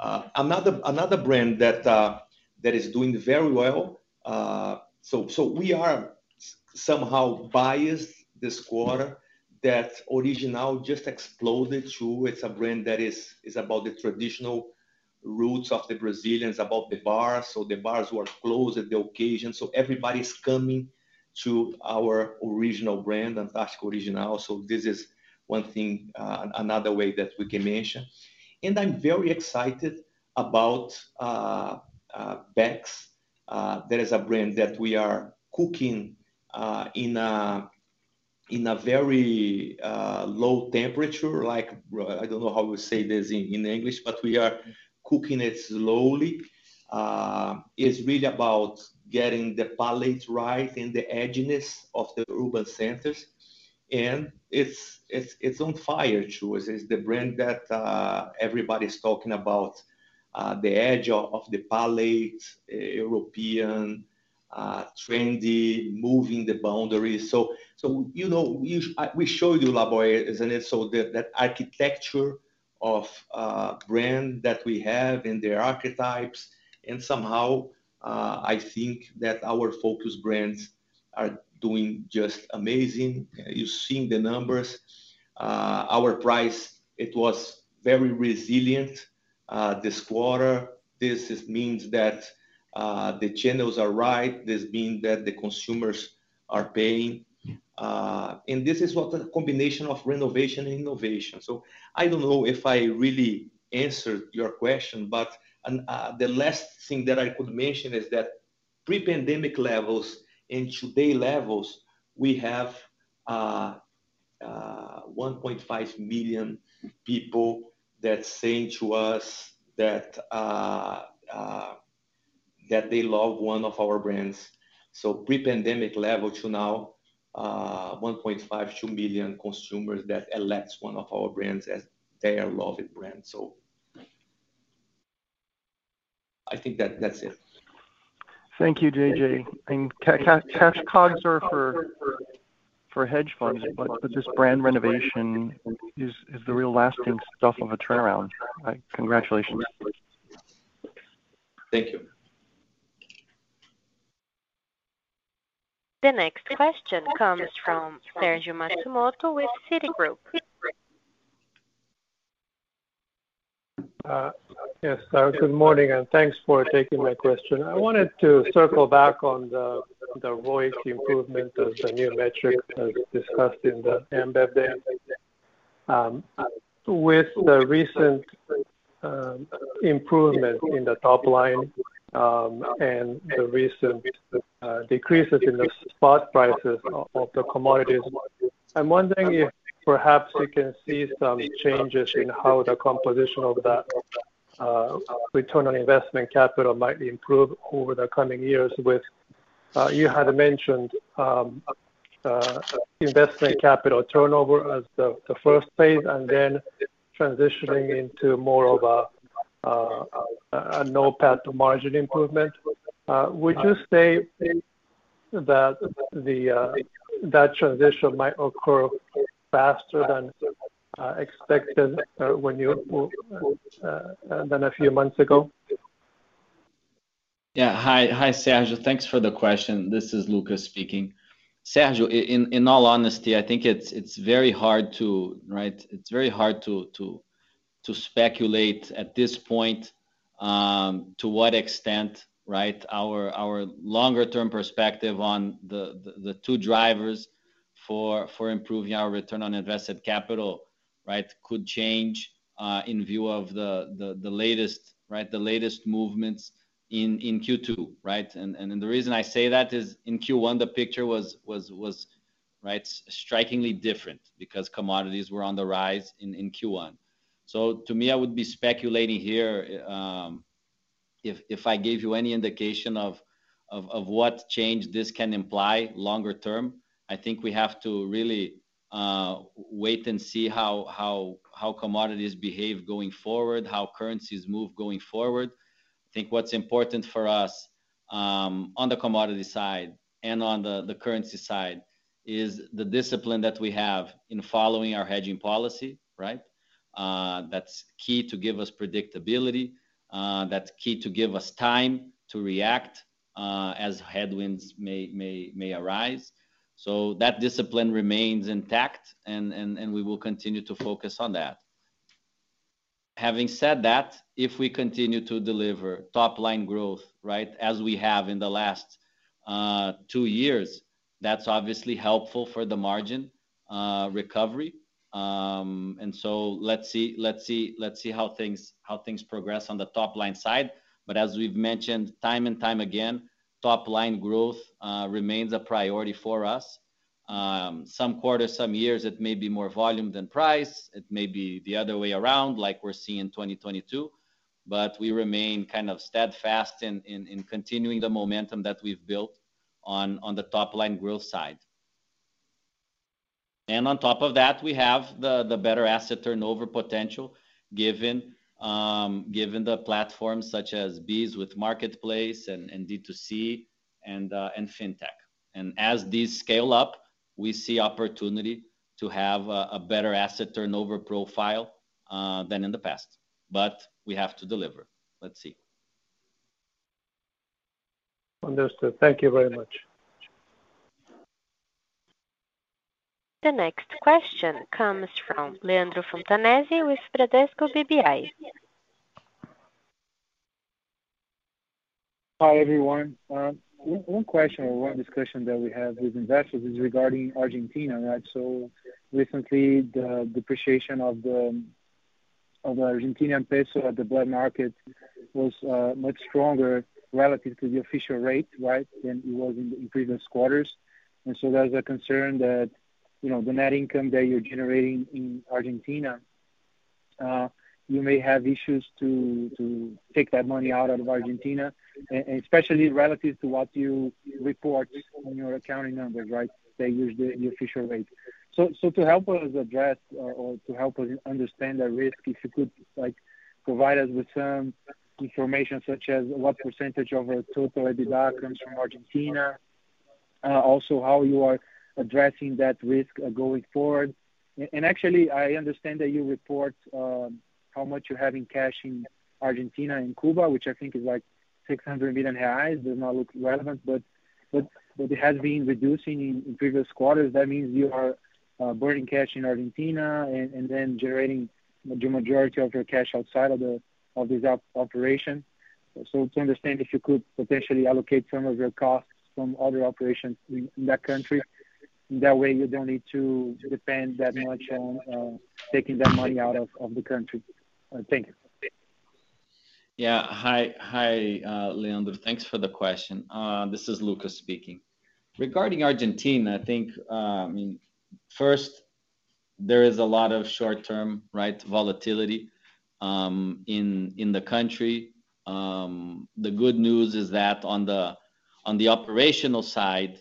Another brand that is doing very well. We are somehow biased this quarter that Original just exploded through. It's a brand that is about the traditional roots of the Brazilians, about the bars. The bars were closed at the occasion, so everybody's coming to our Original brand, Antarctica Original. This is one thing, another way that we can mention. I'm very excited about Beck's. That is a brand that we are cooking in a very low temperature. Like, I don't know how we say this in English, but we are cooking it slowly. It's really about getting the palate right and the edginess of the urban centers. It's on fire, too. It's the brand that everybody's talking about, the edge of the palate, European, trendy, moving the boundaries. You know, we showed you Laboy, isn't it? That brand architecture that we have and their archetypes and somehow, I think that our focus brands are doing just amazing. You're seeing the numbers. Our pricing was very resilient this quarter. This just means that the channels are right. This means that the consumers are paying. This is a combination of renovation and innovation. I don't know if I really answered your question, but the last thing that I could mention is that Pre-pandemic levels and today levels, we have 1.5 million people that saying to us that they love one of our brands. Pre-pandemic level to now, 1.5-2 million consumers that elects one of our brands as their loved brand. I think that that's it. Thank you, JJ. Cash COGS are for hedge funds, but this brand renovation is the real lasting stuff of a turnaround. Congratulations. Thank you. The next question comes from Sergio Matsumoto with Citigroup. Yes. Good morning, and thanks for taking my question. I wanted to circle back on the ROIC improvement of the new metric as discussed in the Ambev Day. With the recent improvement in the top line, and the recent decreases in the spot prices of the commodities, I'm wondering if perhaps we can see some changes in how the composition of that return on investment capital might improve over the coming years. You had mentioned investment capital turnover as the first phase and then transitioning into more of a NOPAT path to margin improvement. Would you say that that transition might occur faster than expected than a few months ago? Yeah. Hi. Hi, Sergio. Thanks for the question. This is Lucas speaking. Sergio, in all honesty, I think it's very hard to speculate at this point to what extent our longer term perspective on the two drivers for improving our return on invested capital could change in view of the latest movements in Q2? The reason I say that is in Q1, the picture was strikingly different because commodities were on the rise in Q1. To me, I would be speculating here if I gave you any indication of what change this can imply longer term. I think we have to really wait and see how commodities behave going forward, how currencies move going forward. I think what's important for us on the commodity side and on the currency side is the discipline that we have in following our hedging policy, right? That's key to give us predictability. That's key to give us time to react as headwinds may arise. That discipline remains intact and we will continue to focus on that. Having said that, if we continue to deliver top-line growth, right, as we have in the last two years, that's obviously helpful for the margin recovery. Let's see how things progress on the top-line side. As we've mentioned time and time again, top-line growth remains a priority for us. Some quarters, some years, it may be more volume than price. It may be the other way around, like we're seeing in 2022. We remain kind of steadfast in continuing the momentum that we've built on the top-line growth side. On top of that, we have the better asset turnover potential given the platforms such as BEES with Marketplace and D2C and Fintech. As these scale up, we see opportunity to have a better asset turnover profile than in the past. We have to deliver. Let's see. Understood. Thank you very much. The next question comes from Leandro Fontanesi with Bradesco BBI. Hi, everyone. One question or one discussion that we have with investors is regarding Argentina, right? Recently the depreciation of the Argentine peso at the black market was much stronger relative to the official rate, right, than it was in previous quarters. There's a concern that, you know, the net income that you're generating in Argentina, you may have issues to take that money out of Argentina, especially relative to what you report in your accounting numbers, right? They use the official rate. To help us address or to help us understand the risk, if you could, like, provide us with some information such as what percentage of your total EBITDA comes from Argentina. Also how you are addressing that risk going forward. Actually, I understand that you report how much you have in cash in Argentina and Cuba, which I think is like 600 million reais. It does not look relevant, but it has been reducing in previous quarters. That means you are burning cash in Argentina and then generating the majority of your cash outside of this operation. To understand if you could potentially allocate some of your costs from other operations in that country. That way you don't need to depend that much on taking that money out of the country. Thank you. Yeah. Hi. Hi, Leandro. Thanks for the question. This is Lucas speaking. Regarding Argentina, I think, first there is a lot of short-term, right, volatility in the country. The good news is that on the operational side,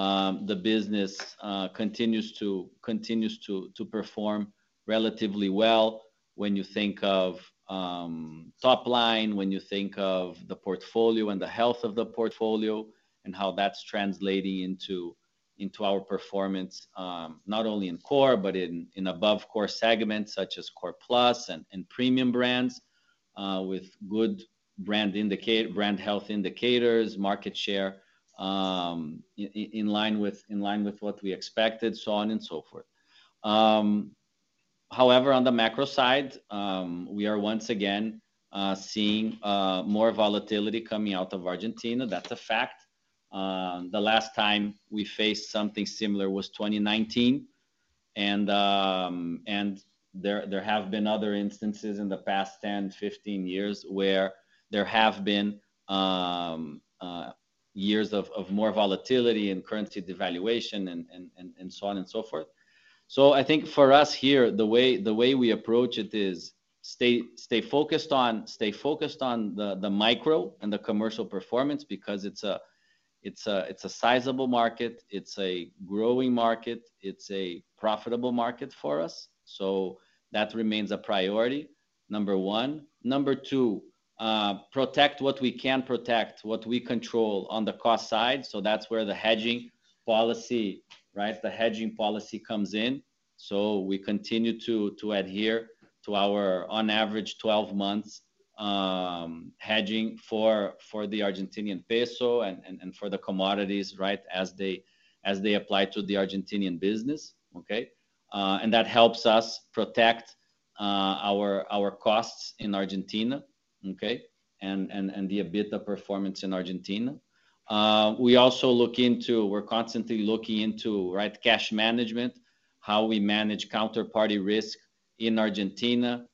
the business continues to perform relatively well when you think of top line, when you think of the portfolio and the health of the portfolio and how that's translating into our performance, not only in core but in above core segments such as core plus and premium brands, with good brand health indicators, market share, in line with what we expected, so on and so forth. However, on the macro side, we are once again seeing more volatility coming out of Argentina. That's a fact. The last time we faced something similar was 2019, and there have been other instances in the past 10, 15 years where there have been years of more volatility and currency devaluation and so on and so forth. I think for us here, the way we approach it is stay focused on the micro and the commercial performance because it's a sizable market, it's a growing market, it's a profitable market for us, so that remains a priority, number one. Number two, protect what we can protect, what we control on the cost side, so that's where the hedging policy, right, comes in. We continue to adhere to our on average 12 months hedging for the Argentinian peso and for the commodities, right, as they apply to the Argentinian business. Okay. And that helps us protect our costs in Argentina, okay, and the EBITDA performance in Argentina. We're constantly looking into, right, cash management, how we manage counterparty risk in Argentina,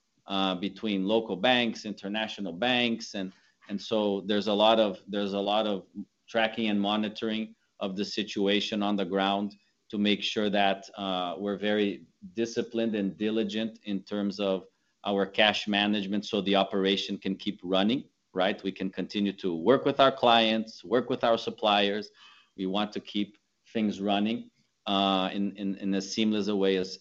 between local banks, international banks, and so there's a lot of tracking and monitoring of the situation on the ground to make sure that we're very disciplined and diligent in terms of our cash management so the operation can keep running, right. We can continue to work with our clients, work with our suppliers. We want to keep things running in as seamless a way as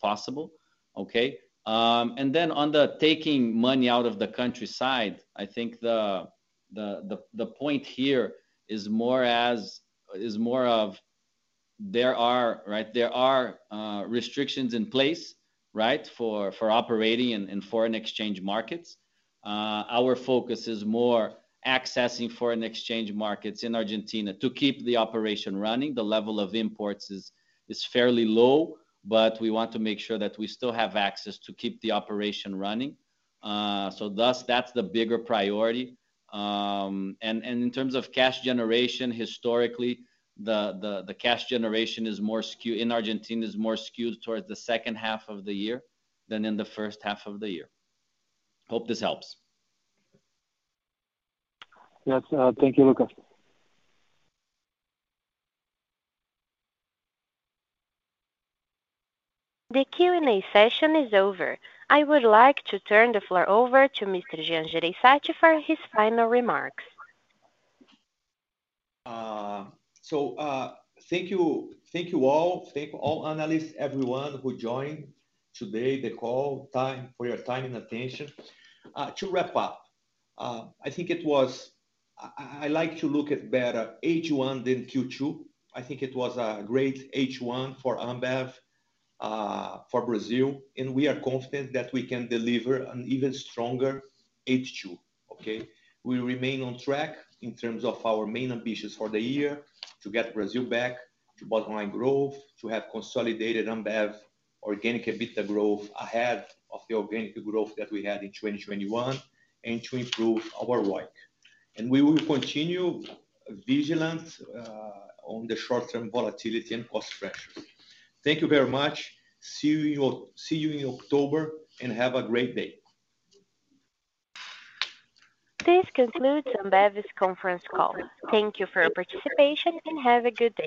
possible. Okay? Then on the taking money out of the country side, I think the point here is more that there are restrictions in place for operating in foreign exchange markets. Our focus is more on accessing foreign exchange markets in Argentina to keep the operation running. The level of imports is fairly low, but we want to make sure that we still have access to keep the operation running. Thus, that's the bigger priority. In terms of cash generation, historically the cash generation in Argentina is more skewed towards the second half of the year than in the first half of the year. Hope this helps. Yes. Thank you, Lucas. The Q&A session is over. I would like to turn the floor over to Mr. Jean Jereissati for his final remarks. Thank you all analysts, everyone who joined today's call for your time and attention. To wrap up, I like to look at H1 better than Q2. I think it was a great H1 for Ambev, for Brazil, and we are confident that we can deliver an even stronger H2. Okay. We remain on track in terms of our main ambitions for the year to get Brazil back to bottom-line growth, to have consolidated Ambev organic EBITDA growth ahead of the organic growth that we had in 2021, and to improve our ROIC. We will continue vigilant on the short-term volatility and cost pressures. Thank you very much. See you in October, and have a great day. This concludes Ambev's conference call. Thank you for your participation, and have a good day.